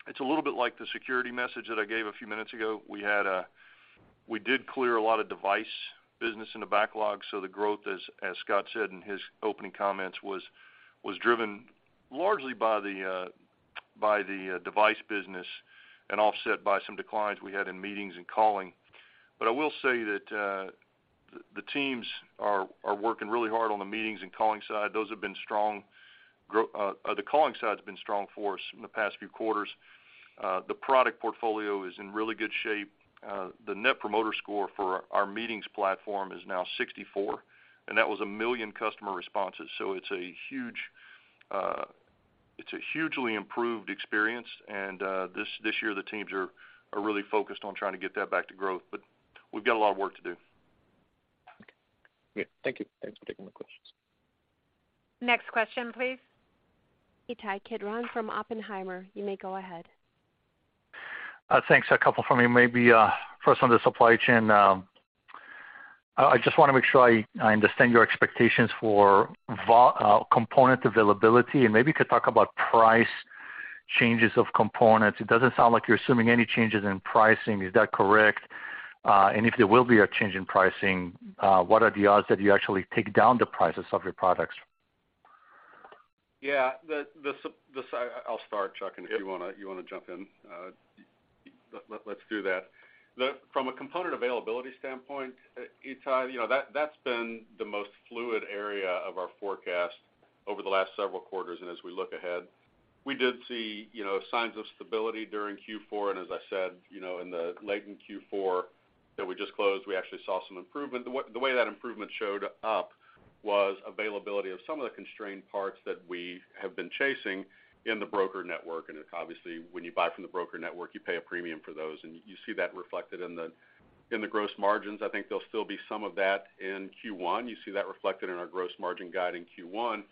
it's a little bit like the security message that I gave a few minutes ago. We did clear a lot of device business in the backlog, so the growth, as Scott said in his opening comments, was driven largely by the device business and offset by some declines we had in meetings and calling. I will say that the teams are working really hard on the meetings and calling side. Those have been strong. The calling side's been strong for us in the past few quarters. The product portfolio is in really good shape. The net promoter score for our meetings platform is now 64, and that was 1 million customer responses. It's a hugely improved experience, and this year, the teams are really focused on trying to get that back to growth. We've got a lot of work to do. Okay. Yeah. Thank you. Thanks for taking the questions. Next question, please. Ittai Kidron from Oppenheimer, you may go ahead. Thanks. A couple from me. Maybe first on the supply chain. I just wanna make sure I understand your expectations for component availability, and maybe you could talk about price changes of components. It doesn't sound like you're assuming any changes in pricing. Is that correct? If there will be a change in pricing, what are the odds that you actually take down the prices of your products? I'll start, Chuck, and if you wanna jump in, let's do that. From a component availability standpoint, Ittai, you know, that's been the most fluid area of our forecast over the last several quarters and as we look ahead. We did see, you know, signs of stability during Q4, and as I said, you know, in the latter Q4 that we just closed, we actually saw some improvement. The way that improvement showed up was availability of some of the constrained parts that we have been chasing in the broker network. Obviously, when you buy from the broker network, you pay a premium for those, and you see that reflected in the gross margins. I think there'll still be some of that in Q1. You see that reflected in our gross margin guide in Q1.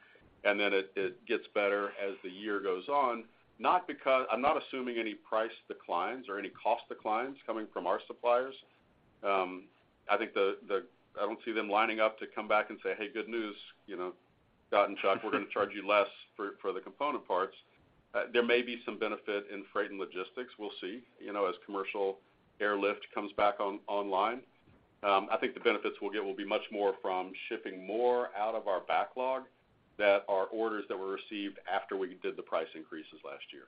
It gets better as the year goes on, not because I'm not assuming any price declines or any cost declines coming from our suppliers. I don't see them lining up to come back and say, "Hey, good news, you know, Scott and Chuck, we're gonna charge you less for the component parts." There may be some benefit in freight and logistics. We'll see, you know, as commercial airlift comes back online. I think the benefits we'll get will be much more from shipping more out of our backlog that are orders that were received after we did the price increases last year.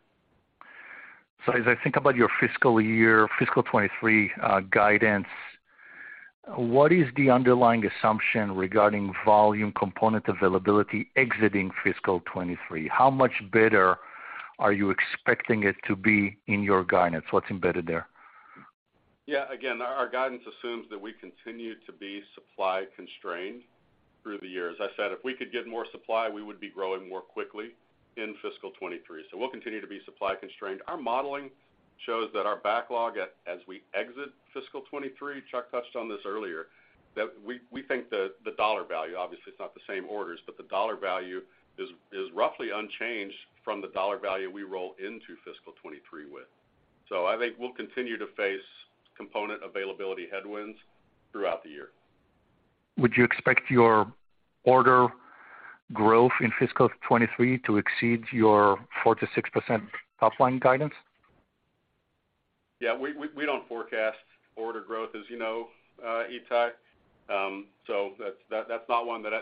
As I think about your fiscal year, fiscal 2023, guidance, what is the underlying assumption regarding volume component availability exiting fiscal 2023? How much better are you expecting it to be in your guidance? What's embedded there? Yeah. Again, our guidance assumes that we continue to be supply constrained through the year. As I said, if we could get more supply, we would be growing more quickly in fiscal 2023, so we'll continue to be supply constrained. Our modeling shows that our backlog at, as we exit fiscal 2023, Chuck touched on this earlier, that we think the dollar value, obviously it's not the same orders, but the dollar value is roughly unchanged from the dollar value we roll into fiscal 2023 with. So I think we'll continue to face component availability headwinds throughout the year. Would you expect your order growth in fiscal 2023 to exceed your 4%-6% top line guidance? Yeah. We don't forecast order growth, as you know, Ittai. That's not one that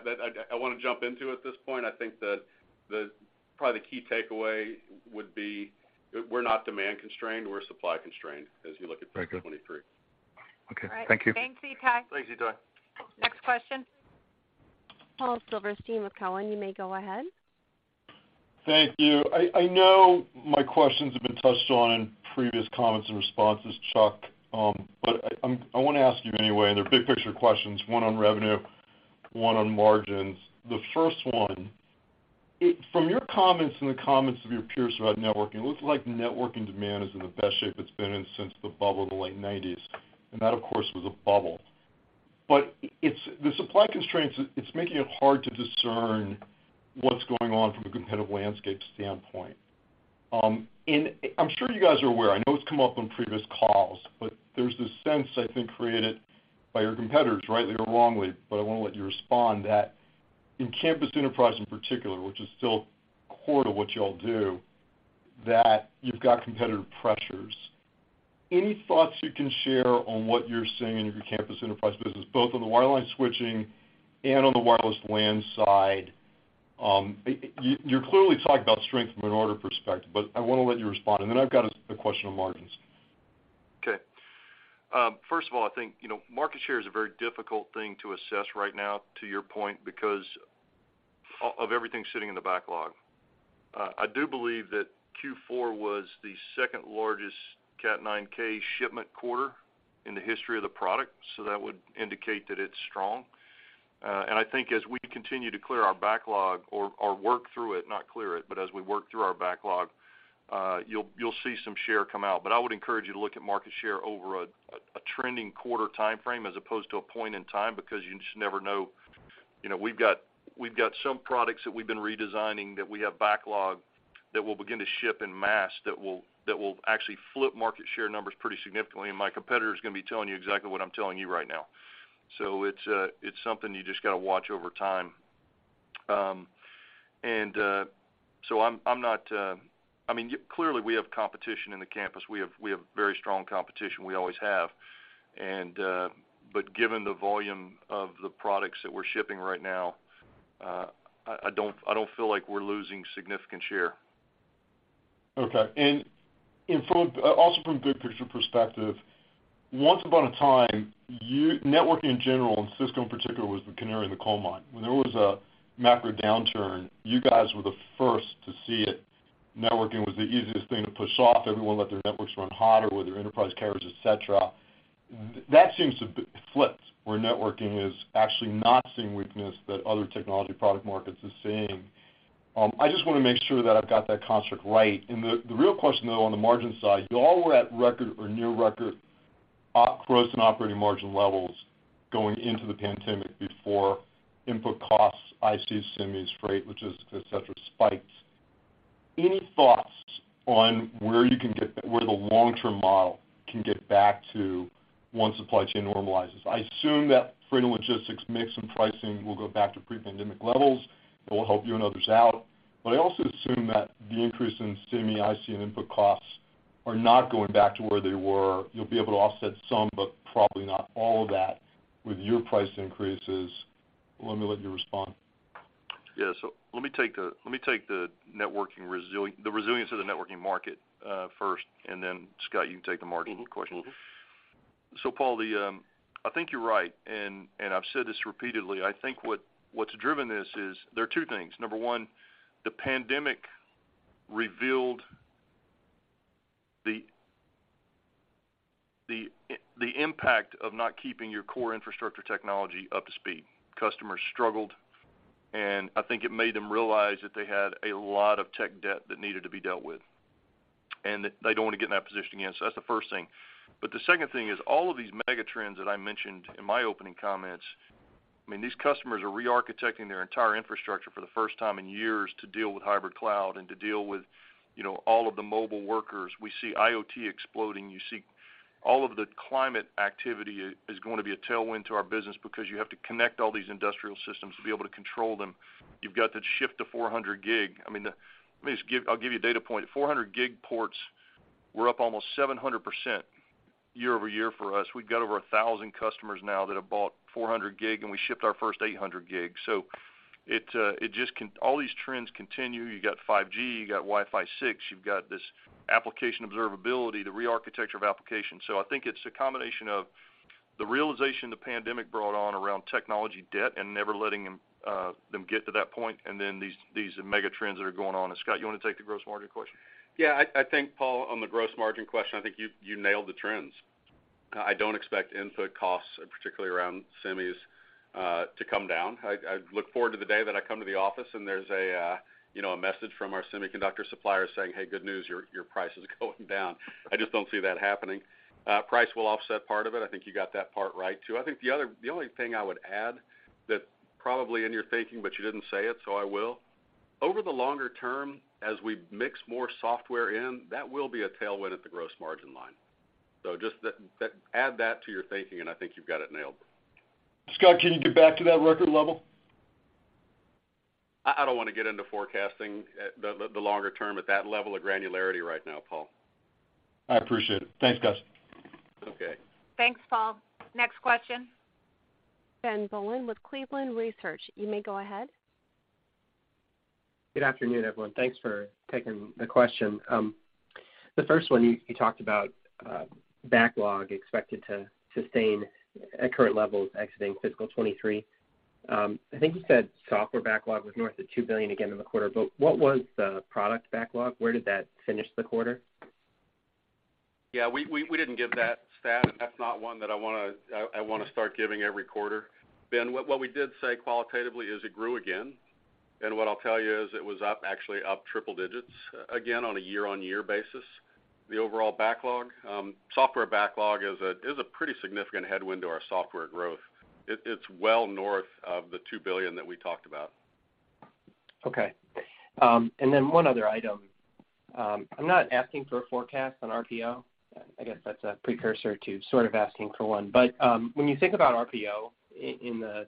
I wanna jump into at this point. I think that probably the key takeaway would be we're not demand constrained, we're supply constrained as you look at fiscal 2023. Very good. Okay. Thank you. All right. Thanks, Ittai. Thanks, Ittai. Next question. Paul Silverstein with Cowen, you may go ahead. Thank you. I know my questions have been touched on in previous comments and responses, Chuck, but I wanna ask you anyway, and they're big-picture questions, one on revenue, one on margins. The first one, from your comments and the comments of your peers about networking, it looks like networking demand is in the best shape it's been in since the bubble of the late nineties, and that, of course, was a bubble. It's the supply constraints. It's making it hard to discern what's going on from a competitive landscape standpoint. I'm sure you guys are aware. I know it's come up on previous calls, but there's this sense, I think, created by your competitors, rightly or wrongly, but I wanna let you respond that in campus enterprise in particular, which is still core to what y'all do, that you've got competitive pressures. Any thoughts you can share on what you're seeing in your campus enterprise business, both on the wireline switching and on the wireless LAN side? You're clearly talking about strength from an order perspective, but I wanna let you respond. I've got a question on margins. Okay. First of all, I think, you know, market share is a very difficult thing to assess right now, to your point, because of everything sitting in the backlog. I do believe that Q4 was the second-largest Cat 9k shipment quarter in the history of the product, so that would indicate that it's strong. I think as we continue to clear our backlog or work through it, not clear it, but as we work through our backlog, you'll see some share come out. But I would encourage you to look at market share over a trending quarter timeframe as opposed to a point in time because you just never know. You know, we've got some products that we've been redesigning that we have backlog that will begin to ship in mass that will actually flip market share numbers pretty significantly, and my competitor's gonna be telling you exactly what I'm telling you right now. It's something you just gotta watch over time. I'm not. I mean, clearly, we have competition in the campus. We have very strong competition, we always have. Given the volume of the products that we're shipping right now, I don't feel like we're losing significant share. Okay. Also from a big picture perspective, once upon a time, networking in general, and Cisco in particular, was the canary in the coal mine. When there was a macro downturn, you guys were the first to see it. Networking was the easiest thing to push off. Everyone let their networks run hotter with their enterprise carriers, et cetera. That seems to be flipped, where networking is actually not seeing weakness that other technology product markets are seeing. I just wanna make sure that I've got that construct right. The real question, though, on the margin side, y'all were at record or near record gross and operating margin levels going into the pandemic before input costs, IC, semis, freight, et cetera, spiked. Any thoughts on where the long-term model can get back to once supply chain normalizes? I assume that freight and logistics mix and pricing will go back to pre-pandemic levels. It will help you and others out. But I also assume that the increase in semi, IC, and input costs are not going back to where they were. You'll be able to offset some, but probably not all of that with your price increases. Let me let you respond. Yeah. Let me take the resilience of the networking market, first, and then Scott, you can take the margin question. Paul, I think you're right, and I've said this repeatedly. I think what's driven this is there are two things. Number one, the pandemic revealed the impact of not keeping your core infrastructure technology up to speed. Customers struggled, and I think it made them realize that they had a lot of tech debt that needed to be dealt with, and they don't wanna get in that position again. That's the first thing. The second thing is all of these megatrends that I mentioned in my opening comments. I mean, these customers are re-architecting their entire infrastructure for the first time in years to deal with hybrid cloud and to deal with, you know, all of the mobile workers. We see IoT exploding. You see all of the climate activity is gonna be a tailwind to our business because you have to connect all these industrial systems to be able to control them. You've got to shift to 400 gig. I mean, I'll give you a data point. 400 gig ports were up almost 700% year-over-year for us. We've got over 1,000 customers now that have bought 400 gig, and we shipped our first 800 gig. All these trends continue. You got 5G, you got Wi-Fi 6, you've got this application observability, the re-architecture of applications. I think it's a combination of the realization the pandemic brought on around technology debt and never letting them get to that point, and then these megatrends that are going on. Scott, you wanna take the gross margin question? Yeah. I think, Paul, on the gross margin question, I think you nailed the trends. I don't expect input costs, particularly around semis, to come down. I look forward to the day that I come to the office and there's a, you know, a message from our semiconductor supplier saying, "Hey, good news, your price is going down." I just don't see that happening. Price will offset part of it. I think you got that part right, too. I think the only thing I would add that probably in your thinking, but you didn't say it, so I will, over the longer term, as we mix more software in, that will be a tailwind at the gross margin line. So just that, add that to your thinking, and I think you've got it nailed. Scott, can you get back to that record level? I don't wanna get into forecasting, the longer-term at that level of granularity right now, Paul. I appreciate it. Thanks, guys. Okay. Thanks, Paul. Next question. Ben Bollin with Cleveland Research, you may go ahead. Good afternoon, everyone. Thanks for taking the question. The first one, you talked about backlog expected to sustain at current levels exiting fiscal 2023. I think you said software backlog was north of $2 billion again in the quarter, but what was the product backlog? Where did that finish the quarter? Yeah, we didn't give that stat, and that's not one that I wanna start giving every quarter. Ben, what we did say qualitatively is it grew again. What I'll tell you is it was up, actually up triple digits again on a year-on-year basis. The overall backlog. Software backlog is a pretty significant headwind to our software growth. It's well north of the $2 billion that we talked about. Okay. One other item. I'm not asking for a forecast on RPO. I guess that's a precursor to sort of asking for one. When you think about RPO in the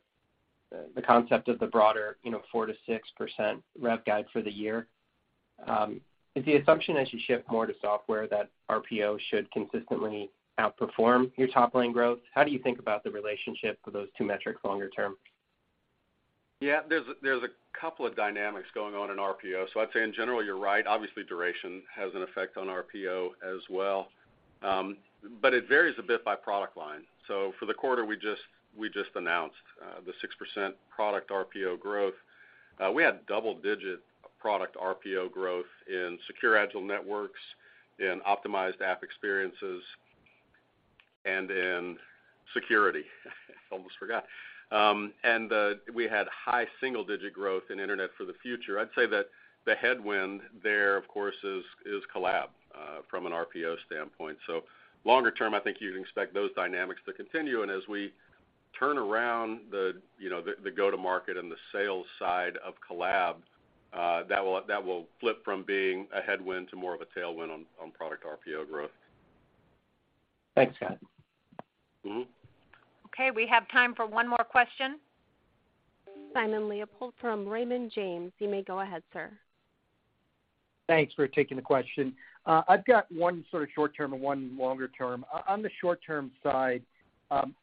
concept of the broader, you know, 4%-6% rev guide for the year, is the assumption as you ship more to software that RPO should consistently outperform your top line growth? How do you think about the relationship of those two metrics longer-term? Yeah. There's a couple of dynamics going on in RPO. I'd say in general, you're right, obviously, duration has an effect on RPO as well. It varies a bit by product line. For the quarter we just announced, the 6% product RPO growth. We had double-digit product RPO growth in Secure, Agile Networks, in Optimized Application Experiences, and in Security. Almost forgot. We had high single-digit growth in Internet for the Future. I'd say that the headwind there, of course, is Collaboration from an RPO standpoint. Longer term, I think you'd expect those dynamics to continue. As we turn around the, you know, go-to-market and the sales side of Collaboration, that will flip from being a headwind to more of a tailwind on product RPO growth. Thanks, Scott. Okay, we have time for one more question. Simon Leopold from Raymond James, you may go ahead, sir. Thanks for taking the question. I've got one sort of short-term and one longer-term. On the short-term side,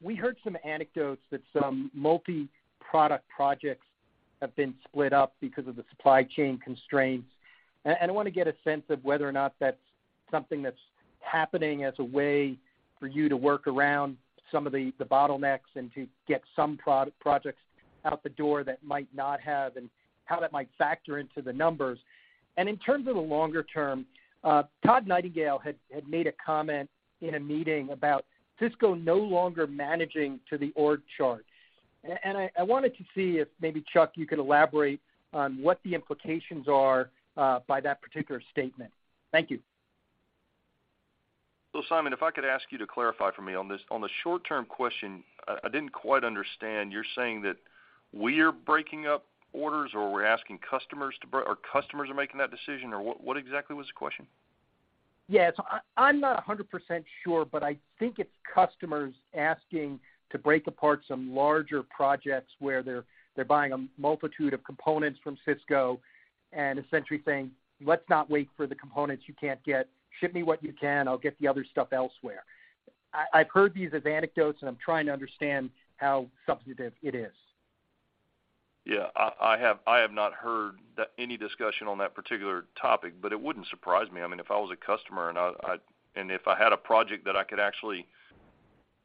we heard some anecdotes that some multiproduct projects have been split up because of the supply chain constraints. I wanna get a sense of whether or not that's something that's happening as a way for you to work around some of the bottlenecks and to get some projects out the door that might not have, and how that might factor into the numbers. In terms of the longer-term, Todd Nightingale had made a comment in a meeting about Cisco no longer managing to the org chart. I wanted to see if maybe, Chuck, you could elaborate on what the implications are by that particular statement. Thank you. Simon, if I could ask you to clarify for me on this. On the short-term question, I didn't quite understand. You're saying that we're breaking up orders or we're asking customers to break, or customers are making that decision? Or what exactly was the question? Yes. I'm not 100% sure, but I think it's customers asking to break apart some larger projects where they're buying a multitude of components from Cisco and essentially saying, "Let's not wait for the components you can't get. Ship me what you can, I'll get the other stuff elsewhere." I've heard these as anecdotes, and I'm trying to understand how substantive it is. Yeah. I have not heard any discussion on that particular topic, but it wouldn't surprise me. I mean, if I was a customer and if I had a project that I could actually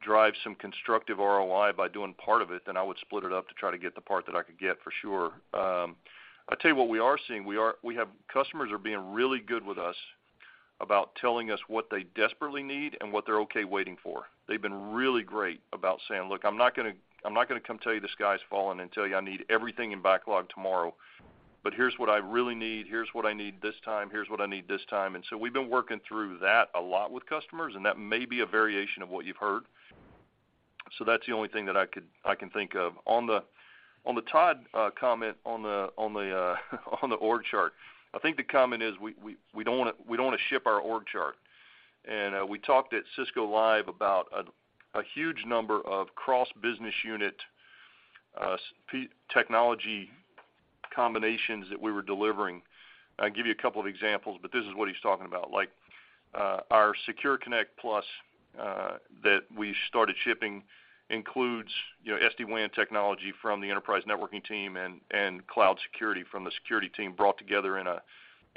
drive some constructive ROI by doing part of it, then I would split it up to try to get the part that I could get for sure. I tell you what we are seeing. Customers are being really good with us about telling us what they desperately need and what they're okay waiting for. They've been really great about saying, "Look, I'm not gonna come tell you the sky's falling and tell you I need everything in backlog tomorrow, but here's what I really need. Here's what I need this time." We've been working through that a lot with customers, and that may be a variation of what you've heard. That's the only thing that I can think of. On the Todd comment on the org chart, I think the comment is we don't wanna ship our org chart. We talked at Cisco Live about a huge number of cross-business unit technology combinations that we were delivering. I can give you a couple of examples, but this is what he's talking about. Like, our Cisco+ Secure Connect that we started shipping includes, you know, SD-WAN technology from the enterprise networking team and cloud security from the security team brought together in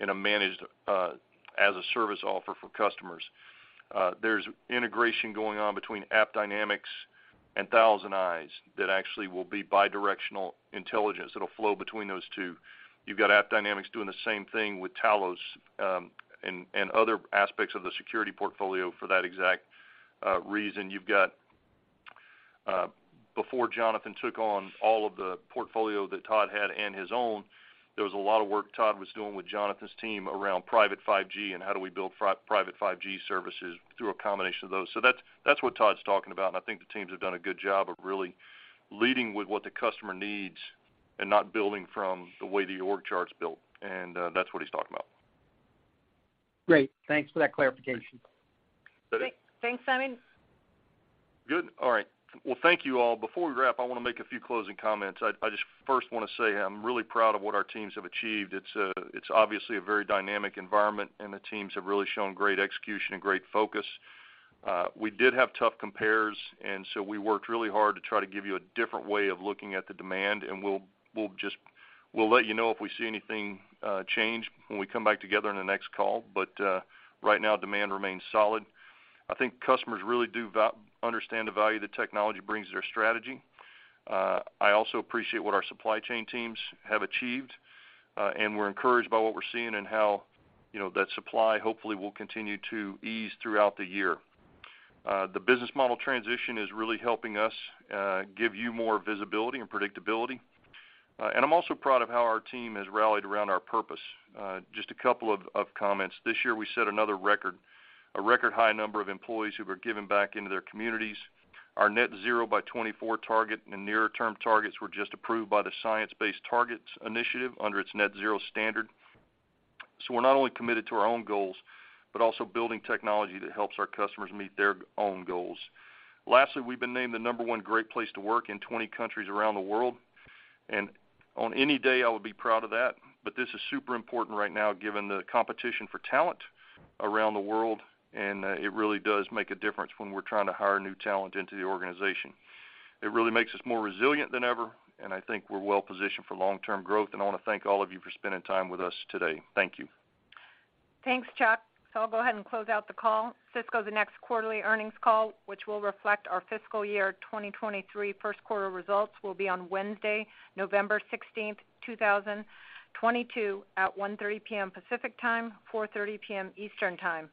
a managed as a service offer for customers. There's integration going on between AppDynamics and ThousandEyes that actually will be bidirectional intelligence. It'll flow between those two. You've got AppDynamics doing the same thing with Talos and other aspects of the security portfolio for that exact reason. You've got, before Jonathan took on all of the portfolio that Todd had and his own, there was a lot of work Todd was doing with Jonathan's team around private 5G and how do we build private 5G services through a combination of those. That's what Todd's talking about, and I think the teams have done a good job of really leading with what the customer needs and not building from the way the org chart's built. That's what he's talking about. Great. Thanks for that clarification. Thanks, Simon. Good. All right. Well, thank you all. Before we wrap, I wanna make a few closing comments. I just first wanna say I'm really proud of what our teams have achieved. It's obviously a very dynamic environment, and the teams have really shown great execution and great focus. We did have tough compares, and so we worked really hard to try to give you a different way of looking at the demand, and we'll just let you know if we see anything change when we come back together in the next call. Right now demand remains solid. I think customers really do understand the value that technology brings to their strategy. I also appreciate what our supply chain teams have achieved. We're encouraged by what we're seeing and how, you know, that supply hopefully will continue to ease throughout the year. The business model transition is really helping us give you more visibility and predictability. I'm also proud of how our team has rallied around our purpose. Just a couple of comments. This year we set another record, a record high number of employees who have given back into their communities. Our net zero by 2024 target and the nearer term targets were just approved by the Science Based Targets initiative under its net zero standard. We're not only committed to our own goals, but also building technology that helps our customers meet their own goals. Lastly, we've been named the number one great place to work in 20 countries around the world. On any day, I would be proud of that, but this is super important right now given the competition for talent around the world, and it really does make a difference when we're trying to hire new talent into the organization. It really makes us more resilient than ever, and I think we're well positioned for long-term growth. I wanna thank all of you for spending time with us today. Thank you. Thanks, Chuck. I'll go ahead and close out the call. Cisco's next quarterly earnings call, which will reflect our fiscal year 2023 first quarter results, will be on Wednesday, November 16, 2022 at 1:30 P.M. Pacific Time, 4:30 P.M. Eastern Time.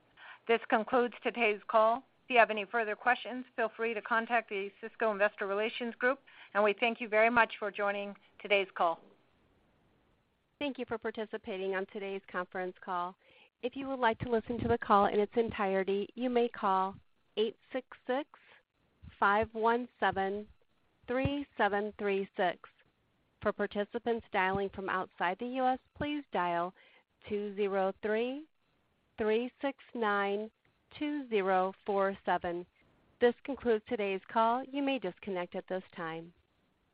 This concludes today's call. If you have any further questions, feel free to contact the Cisco investor relations group, and we thank you very much for joining today's call. Thank you for participating on today's conference call. If you would like to listen to the call in its entirety, you may call 866-517-3736. For participants dialing from outside the U.S., please dial 203-369-2047. This concludes today's call. You may disconnect at this time.